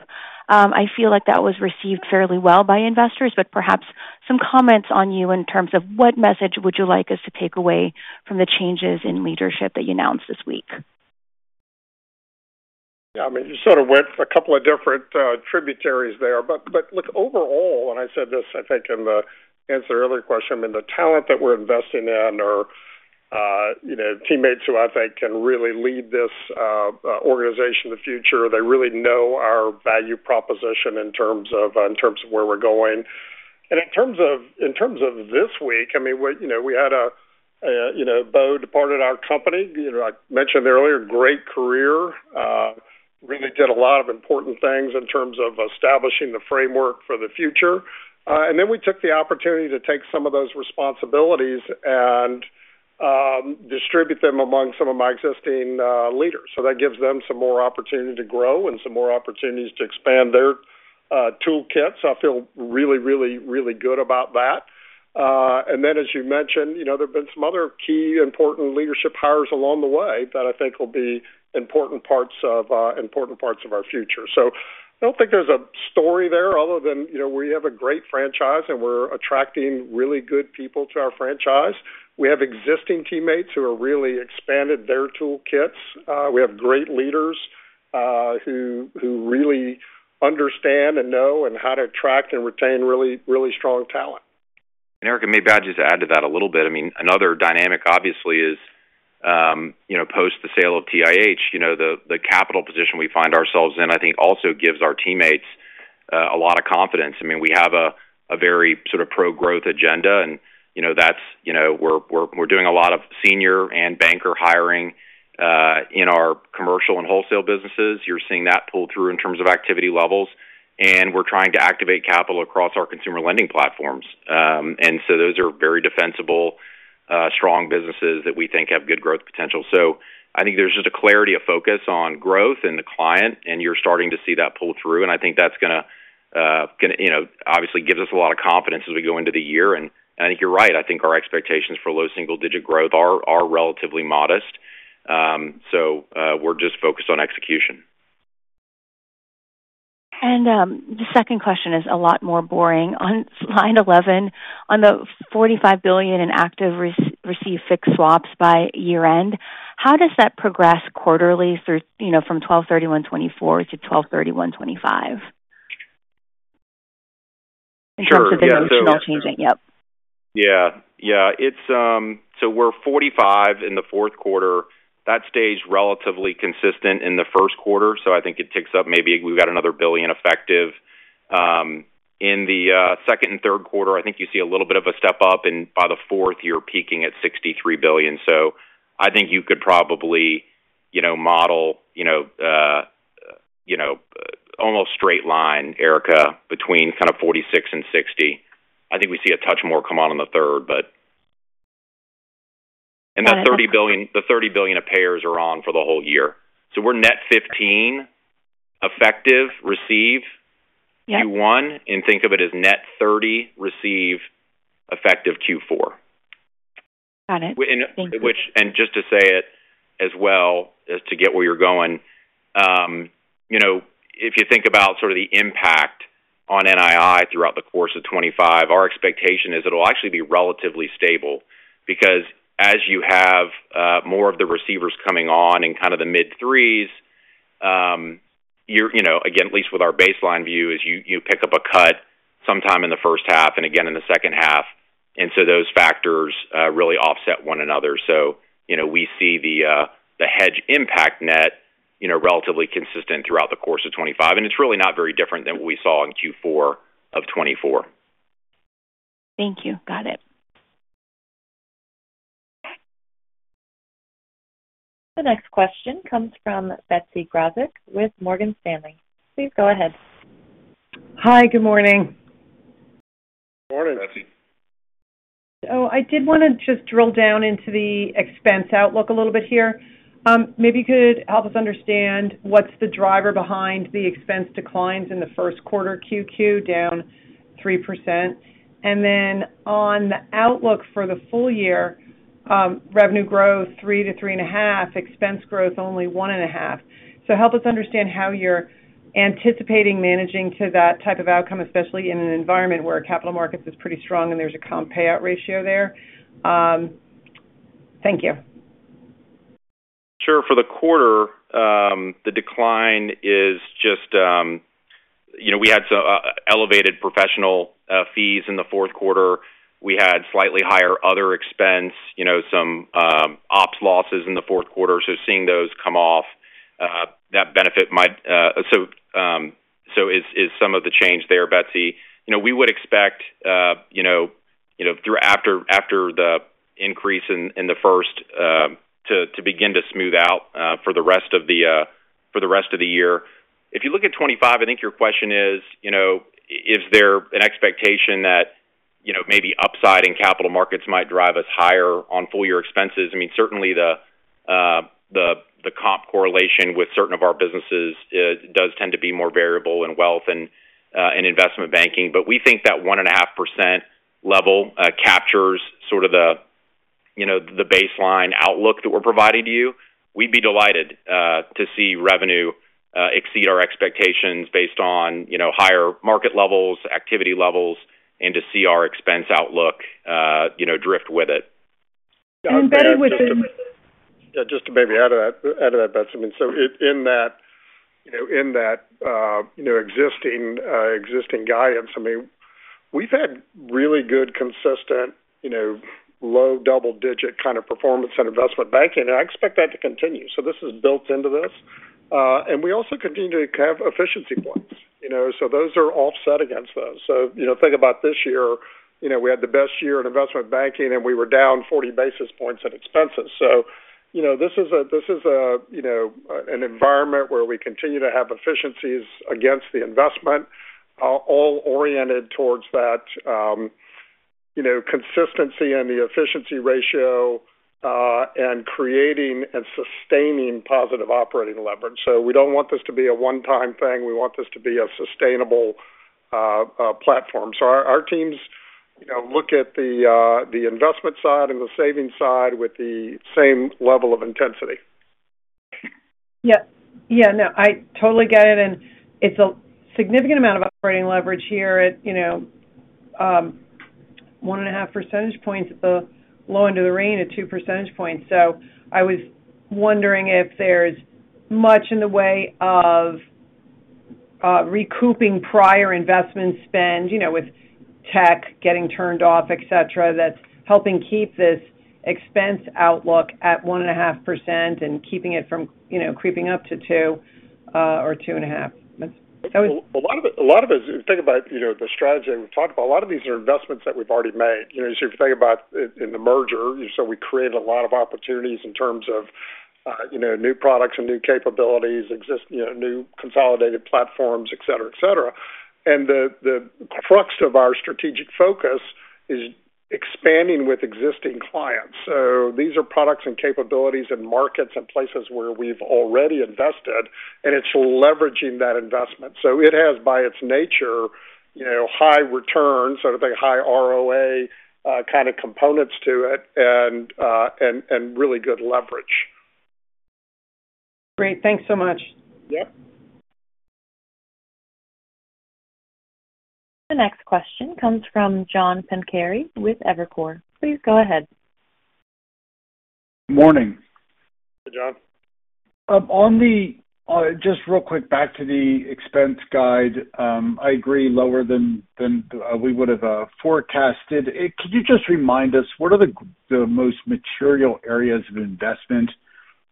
I feel like that was received fairly well by investors, but perhaps some comments from you in terms of what message would you like us to take away from the changes in leadership that you announced this week? Yeah, I mean, you sort of went a couple of different tributaries there. But look, overall, and I said this, I think, in the answer to the earlier question, I mean, the talent that we're investing in are teammates who I think can really lead this organization in the future. They really know our value proposition in terms of where we're going. In terms of this week, I mean, Beau departed our company. I mentioned earlier, great career. Really did a lot of important things in terms of establishing the framework for the future. Then we took the opportunity to take some of those responsibilities and distribute them among some of my existing leaders. So that gives them some more opportunity to grow and some more opportunities to expand their toolkit. So I feel really, really, really good about that. Then, as you mentioned, there've been some other key important leadership hires along the way that I think will be important parts of our future. So I don't think there's a story there other than we have a great franchise, and we're attracting really good people to our franchise. We have existing teammates who have really expanded their toolkits. We have great leaders who really understand and know how to attract and retain really strong talent, And Erika, maybe I'll just add to that a little bit. I mean, another dynamic, obviously, is post the sale of TIH, the capital position we find ourselves in, I think, also gives our teammates a lot of confidence. I mean, we have a very sort of pro-growth agenda, and that's we're doing a lot of senior and banker hiring in our commercial and wholesale businesses. You're seeing that pull through in terms of activity levels, and we're trying to activate capital across our consumer lending platforms, and so those are very defensible, strong businesses that we think have good growth potential, so I think there's just a clarity of focus on growth and the client, and you're starting to see that pull through. I think that's going to obviously give us a lot of confidence as we go into the year. I think you're right. I think our expectations for low single-digit growth are relatively modest. We're just focused on execution. The second question is a lot more boring. On slide 11, on the $45 billion in active receive fixed swaps by year-end, how does that progress quarterly from 12/31/2024 to 12/31/2025 in terms of the notional changing? Yeah. Yeah. We're $45 billion in the fourth quarter. That stays relatively consistent in the first quarter. I think it ticks up. Maybe we've got another $1 billion effective. In the second and third quarter, I think you see a little bit of a step up. By the fourth, you're peaking at $63 billion. So, I think you could probably model almost straight line, Erika, between kind of 46 and 60. I think we see a touch more come on in the third, but. And the $30 billion of payers are on for the whole year. So we're net 15 effective receive Q1, and think of it as net 30 receive effective Q4. Got it. Thank you. And, just to say it as well, to get where you're going, if you think about sort of the impact on NII throughout the course of 2025, our expectation is it'll actually be relatively stable because as you have more of the receivers coming on in kind of the mid-threes, again, at least with our baseline view, is you pick up a cut sometime in the first half and again in the second half. And so those factors really offset one another. So we see the hedge impact net relatively consistent throughout the course of 2025. And it's really not very different than what we saw in Q4 of 2024. Thank you. Got it. The next question comes from Betsy Graseck with Morgan Stanley. Please go ahead. Hi, good morning. Good morning, Betsy. Oh, I did want to just drill down into the expense outlook a little bit here. Maybe you could help us understand what's the driver behind the expense declines in the first quarter QoQ down 3%. And then on the outlook for the full year, revenue growth 3%-3.5%, expense growth only 1.5%. So help us understand how you're anticipating managing to that type of outcome, especially in an environment where capital markets is pretty strong and there's a comp payout ratio there. Thank you. Sure. For the quarter, the decline is just we had some elevated professional fees in the fourth quarter. We had slightly higher other expense, some ops losses in the fourth quarter. So seeing those come off, that benefit might also be some of the change there, Betsy. We would expect after the increase in the first to begin to smooth out for the rest of the year. If you look at 2025, I think your question is, is there an expectation that maybe upside in capital markets might drive us higher on full-year expenses? I mean, certainly the comp correlation with certain of our businesses does tend to be more variable in wealth and investment banking. But we think that 1.5% level captures sort of the baseline outlook that we're providing to you. We'd be delighted to see revenue exceed our expectations based on higher market levels, activity levels, and to see our expense outlook drift with it. Just to maybe add to that, Betsy, I mean, so in that existing guidance, I mean, we've had really good consistent low double-digit kind of performance in investment banking, and I expect that to continue. So this is built into this. And we also continue to have efficiency points. So those are offset against those. So think about this year. We had the best year in investment banking, and we were down 40 basis points in expenses. So this is an environment where we continue to have efficiencies against the investment, all oriented towards that consistency and the efficiency ratio and creating and sustaining positive operating leverage. So we don't want this to be a one-time thing. We want this to be a sustainable platform. So our teams look at the investment side and the savings side with the same level of intensity. Yep. Yeah. No, I totally get it. And it's a significant amount of operating leverage here at 1.5 percentage points at the low end of the range at 2 percentage points. So I was wondering if there's much in the way of recouping prior investment spend with tech getting turned off, etc., that's helping keep this expense outlook at 1.5% and keeping it from creeping up to 2 or 2.5. That was. A lot of it is think about the strategy that we've talked about. A lot of these are investments that we've already made. So if you think about in the merger, so we created a lot of opportunities in terms of new products and new capabilities, new consolidated platforms, etc., etc. The crux of our strategic focus is expanding with existing clients. These are products and capabilities and markets and places where we've already invested, and it's leveraging that investment. It has by its nature high returns, so to say, high ROA kind of components to it and really good leverage. Great. Thanks so much. Yep. The next question comes from John Pancari with Evercore. Please go ahead. Morning. Hey, John. Just real quick back to the expense guide. I agree lower than we would have forecasted. Could you just remind us, what are the most material areas of investment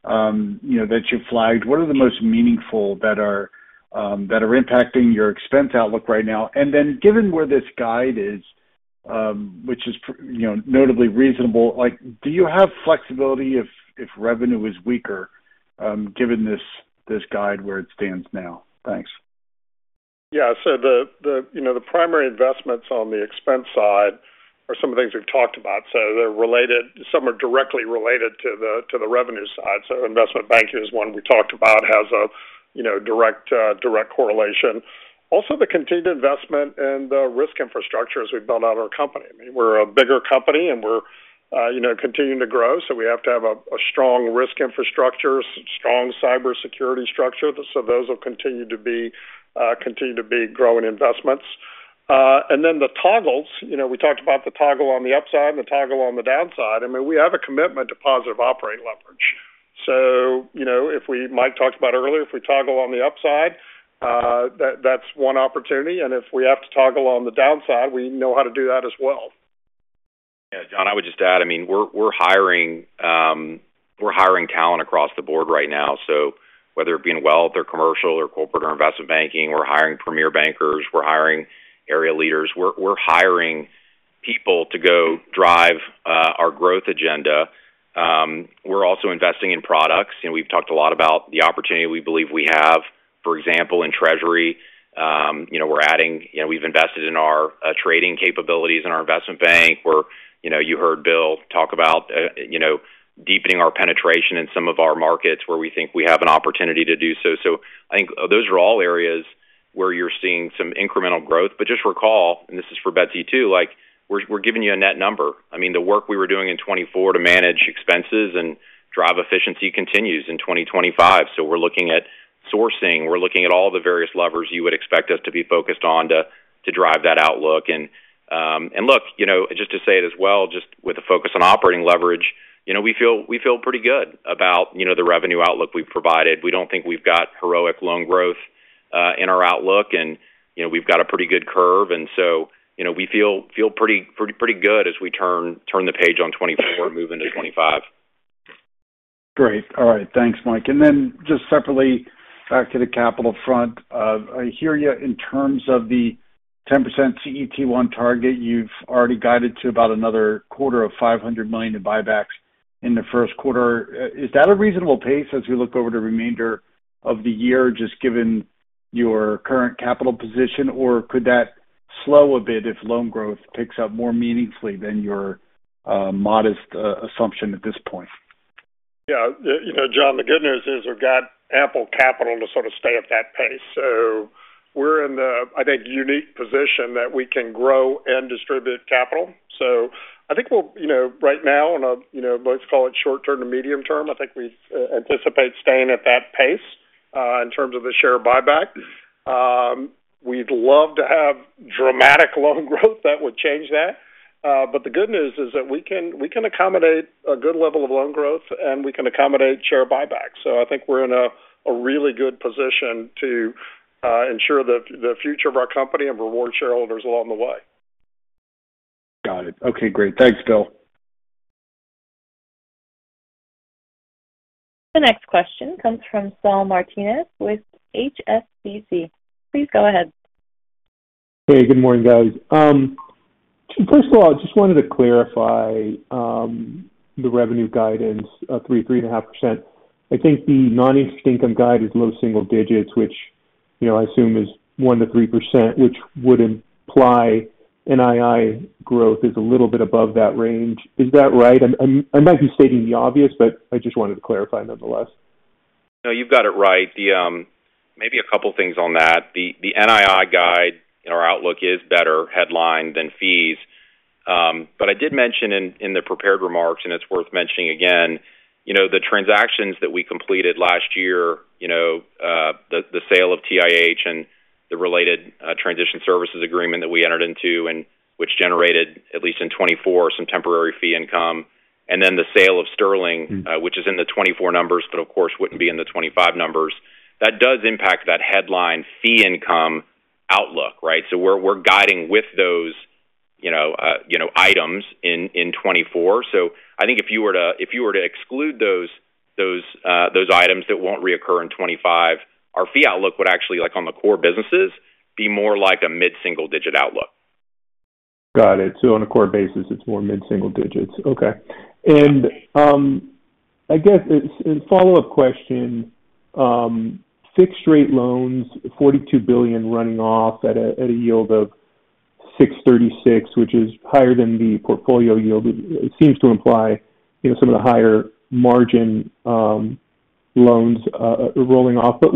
that you flagged? What are the most meaningful that are impacting your expense outlook right now? And then given where this guide is, which is notably reasonable, do you have flexibility if revenue is weaker given this guide where it stands now? Thanks. Yeah. So the primary investments on the expense side are some of the things we've talked about. So they're related. Some are directly related to the revenue side. So investment banking is one we talked about has a direct correlation. Also, the continued investment and the risk infrastructure as we build out our company. I mean, we're a bigger company, and we're continuing to grow. So we have to have a strong risk infrastructure, strong cybersecurity structure. So those will continue to be growing investments. And then the toggles, we talked about the toggle on the upside and the toggle on the downside. I mean, we have a commitment to positive operating leverage. So if we as Mike talked about earlier, if we toggle on the upside, that's one opportunity. And if we have to toggle on the downside, we know how to do that as well. Yeah. John, I would just add, I mean, we're hiring talent across the board right now. So whether it be in wealth or commercial or corporate or investment banking, we're hiring premier bankers. We're hiring area leaders. We're hiring people to go drive our growth agenda. We're also investing in products. We've talked a lot about the opportunity we believe we have, for example, in treasury. We're adding. We've invested in our trading capabilities in our investment bank. You heard Beau talk about deepening our penetration in some of our markets where we think we have an opportunity to do so. So I think those are all areas where you're seeing some incremental growth. But just recall, and this is for Betsy too, we're giving you a net number. I mean, the work we were doing in 2024 to manage expenses and drive efficiency continues in 2025. So we're looking at sourcing. We're looking at all the various levers you would expect us to be focused on to drive that outlook. And look, just to say it as well, just with a focus on operating leverage, we feel pretty good about the revenue outlook we've provided. We don't think we've got heroic loan growth in our outlook, and we've got a pretty good curve. And so we feel pretty good as we turn the page on 2024, moving to 2025. Great. All right. Thanks, Mike. And then just separately back to the capital front, I hear you in terms of the 10% CET1 target. You've already guided to about another quarter of $500 million in buybacks in the first quarter. Is that a reasonable pace as we look over the remainder of the year just given your current capital position? Or could that slow a bit if loan growth picks up more meaningfully than your modest assumption at this point? Yeah. John, the good news is we've got ample capital to sort of stay at that pace. So we're in the, I think, unique position that we can grow and distribute capital. So I think right now, let's call it short-term to medium term, I think we anticipate staying at that pace in terms of the share buyback. We'd love to have dramatic loan growth that would change that. But the good news is that we can accommodate a good level of loan growth, and we can accommodate share buybacks. So I think we're in a really good position to ensure the future of our company and reward shareholders along the way. Got it. Okay. Great. Thanks, Bill. The next question comes from Saul Martinez with HSBC. Please go ahead. Hey, good morning, guys. First of all, I just wanted to clarify the revenue guidance, 3%-3.5%. I think the non-interest income guide is low single digits, which I assume is 1% to 3%, which would imply NII growth is a little bit above that range. Is that right? I might be stating the obvious, but I just wanted to clarify nonetheless. No, you've got it right. Maybe a couple of things on that. The NII guide in our outlook is better headline than fees. But I did mention in the prepared remarks, and it's worth mentioning again, the transactions that we completed last year, the sale of TIH and the related transition services agreement that we entered into, which generated, at least in 2024, some temporary fee income. And then the sale of Sterling, which is in the 2024 numbers, but of course wouldn't be in the 2025 numbers. That does impact that headline fee income outlook, right? So we're guiding with those items in 2024. So I think if you were to exclude those items that won't reoccur in 2025, our fee outlook would actually, on the core businesses, be more like a mid-single-digit% outlook. Got it. So on a core basis, it's more mid-single digits%. Okay. And I guess a follow-up question: fixed-rate loans, $42 billion running off at a yield of 6.36%, which is higher than the portfolio yield. It seems to imply some of the higher margin loans rolling off. But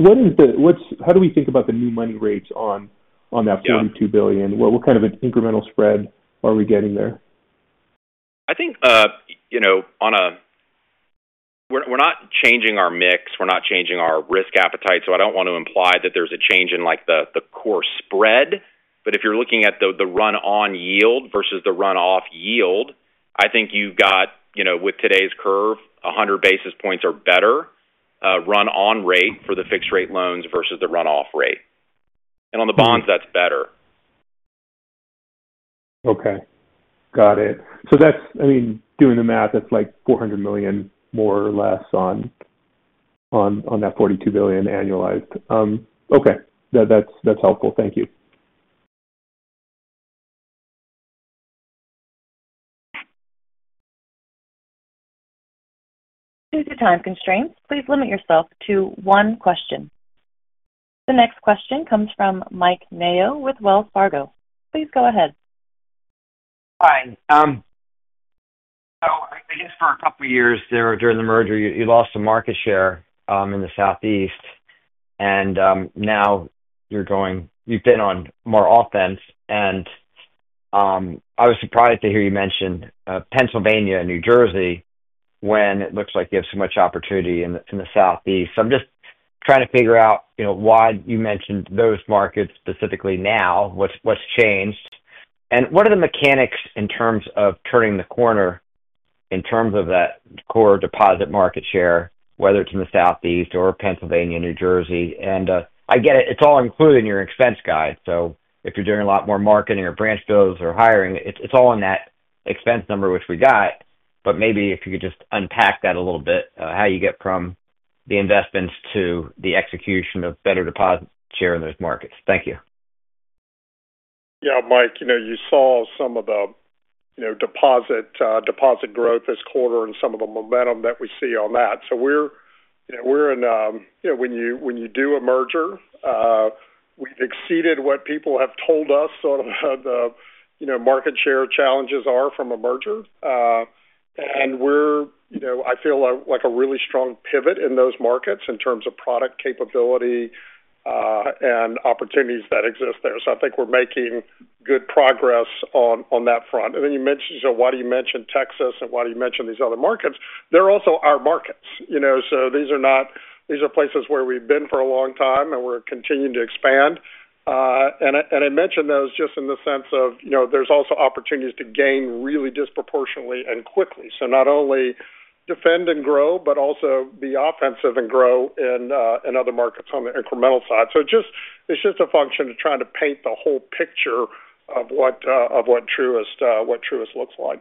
how do we think about the new money rates on that $42 billion? What kind of an incremental spread are we getting there? I think on a we're not changing our mix. We're not changing our risk appetite. So I don't want to imply that there's a change in the core spread. But if you're looking at the run-on yield versus the run-off yield, I think you've got, with today's curve, 100 basis points or better run-on rate for the fixed-rate loans versus the run-off rate. And on the bonds, that's better. Okay. Got it. So I mean, doing the math, that's like $400 million more or less on that $42 billion annualized. Okay. That's helpful. Thank you. Due to time constraints, please limit yourself to one question. The next question comes from Mike Mayo with Wells Fargo. Please go ahead. Hi. So I guess for a couple of years during the merger, you lost some market share in the Southeast. And now you've been on more offense. And I was surprised to hear you mention Pennsylvania and New Jersey when it looks like you have so much opportunity in the Southeast. So I'm just trying to figure out why you mentioned those markets specifically now, what's changed. And what are the mechanics in terms of turning the corner in terms of that core deposit market share, whether it's in the Southeast or Pennsylvania, New Jersey? And I get it. It's all included in your expense guide. So if you're doing a lot more marketing or branch builds or hiring, it's all in that expense number, which we got. But maybe if you could just unpack that a little bit, how you get from the investments to the execution of better deposit share in those markets. Thank you. Yeah. Mike, you saw some of the deposit growth this quarter and some of the momentum that we see on that. So we're in when you do a merger. We've exceeded what people have told us sort of the market share challenges are from a merger. And I feel like a really strong pivot in those markets in terms of product capability and opportunities that exist there. So I think we're making good progress on that front. And then you mentioned so why do you mention Texas and why do you mention these other markets? They're also our markets. So these are places where we've been for a long time, and we're continuing to expand. And I mentioned those just in the sense of there's also opportunities to gain really disproportionately and quickly. So not only defend and grow, but also be offensive and grow in other markets on the incremental side. So it's just a function of trying to paint the whole picture of what Truist looks like.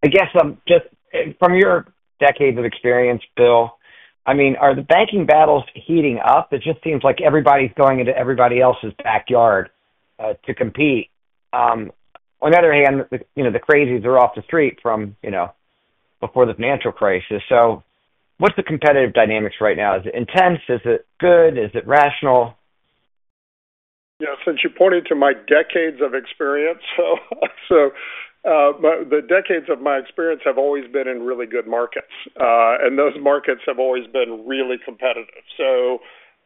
I guess just from your decades of experience, Bill, I mean, are the banking battles heating up? It just seems like everybody's going into everybody else's backyard to compete. On the other hand, the crazies are off the street from before the financial crisis, so what's the competitive dynamics right now? Is it intense? Is it good? Is it rational? Yeah. Since you pointed to my decades of experience, the decades of my experience have always been in really good markets, and those markets have always been really competitive, so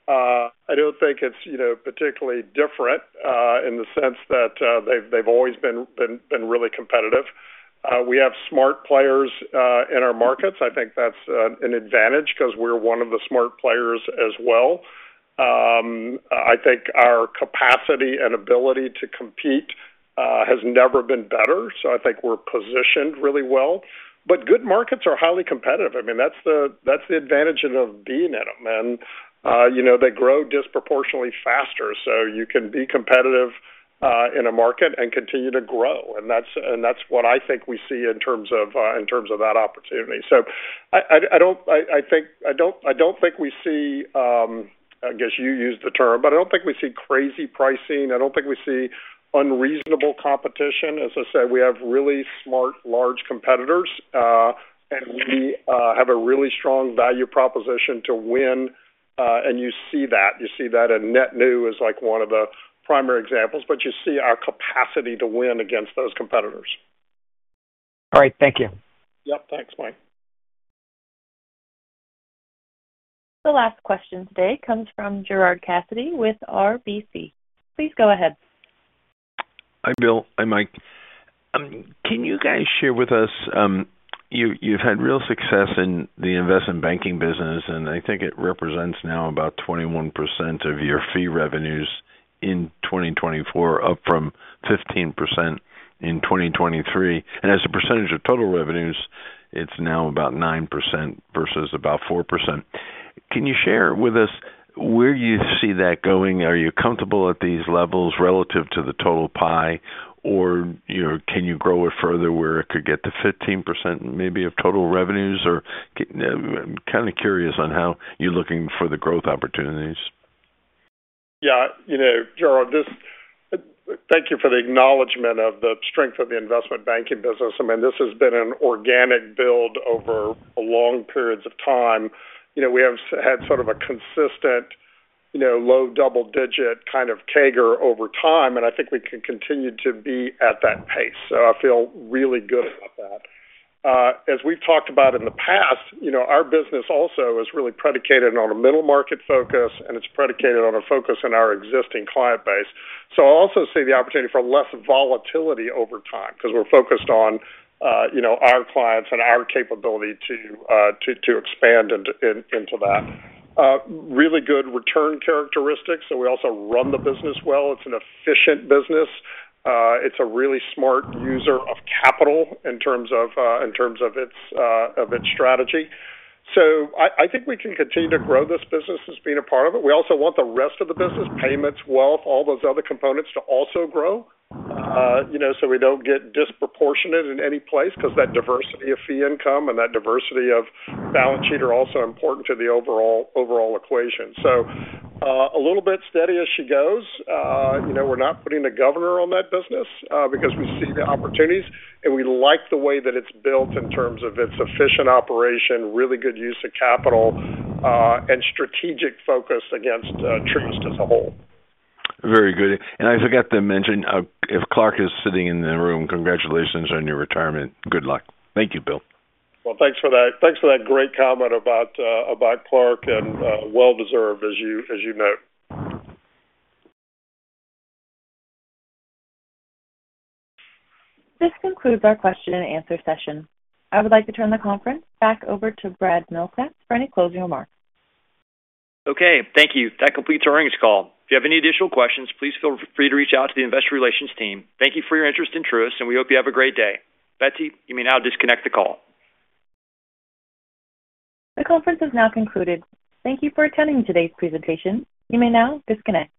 I don't think it's particularly different in the sense that they've always been really competitive. We have smart players in our markets. I think that's an advantage because we're one of the smart players as well. I think our capacity and ability to compete has never been better. So I think we're positioned really well. But good markets are highly competitive. I mean, that's the advantage of being in them. And they grow disproportionately faster. So you can be competitive in a market and continue to grow. And that's what I think we see in terms of that opportunity. So I don't think we see I guess you used the term, but I don't think we see crazy pricing. I don't think we see unreasonable competition. As I said, we have really smart, large competitors. And we have a really strong value proposition to win. And you see that. You see that in net new as one of the primary examples. But you see our capacity to win against those competitors. All right. Thank you. Yep. Thanks, Mike. The last question today comes from Gerard Cassidy with RBC. Please go ahead. Hi, Bill. Hi, Mike. Can you guys share with us you've had real success in the investment banking business, and I think it represents now about 21% of your fee revenues in 2024, up from 15% in 2023. And as a percentage of total revenues, it's now about 9% versus about 4%. Can you share with us where you see that going? Are you comfortable at these levels relative to the total pie, or can you grow it further where it could get to 15% maybe of total revenues? Or I'm kind of curious on how you're looking for the growth opportunities. Yeah. Gerard, thank you for the acknowledgment of the strength of the investment banking business. I mean, this has been an organic build over long periods of time. We have had sort of a consistent low double-digit kind of CAGR over time, and I think we can continue to be at that pace. So I feel really good about that. As we've talked about in the past, our business also is really predicated on a middle market focus, and it's predicated on a focus in our existing client base. So I also see the opportunity for less volatility over time because we're focused on our clients and our capability to expand into that. Really good return characteristics. So we also run the business well. It's an efficient business. It's a really smart user of capital in terms of its strategy. So I think we can continue to grow this business as being a part of it. We also want the rest of the business, payments, wealth, all those other components to also grow so we don't get disproportionate in any place because that diversity of fee income and that diversity of balance sheet are also important to the overall equation. So a little bit steady as she goes. We're not putting the governor on that business because we see the opportunities, and we like the way that it's built in terms of its efficient operation, really good use of capital, and strategic focus against Truist as a whole. Very good. And I forgot to mention, if Clarke is sitting in the room, congratulations on your retirement. Good luck. Thank you, Bill. Well, thanks for that. Thanks for that great comment about Clarke and well-deserved, as you know. This concludes our question-and-answer session. I would like to turn the conference back over to Brad Milsaps for any closing remarks. Okay. Thank you. That completes our earnings call. If you have any additional questions, please feel free to reach out to the investor relations team. Thank you for your interest in Truist, and we hope you have a great day. Betsy, you may now disconnect the call. The conference has now concluded. Thank you for attending today's presentation. You may now disconnect.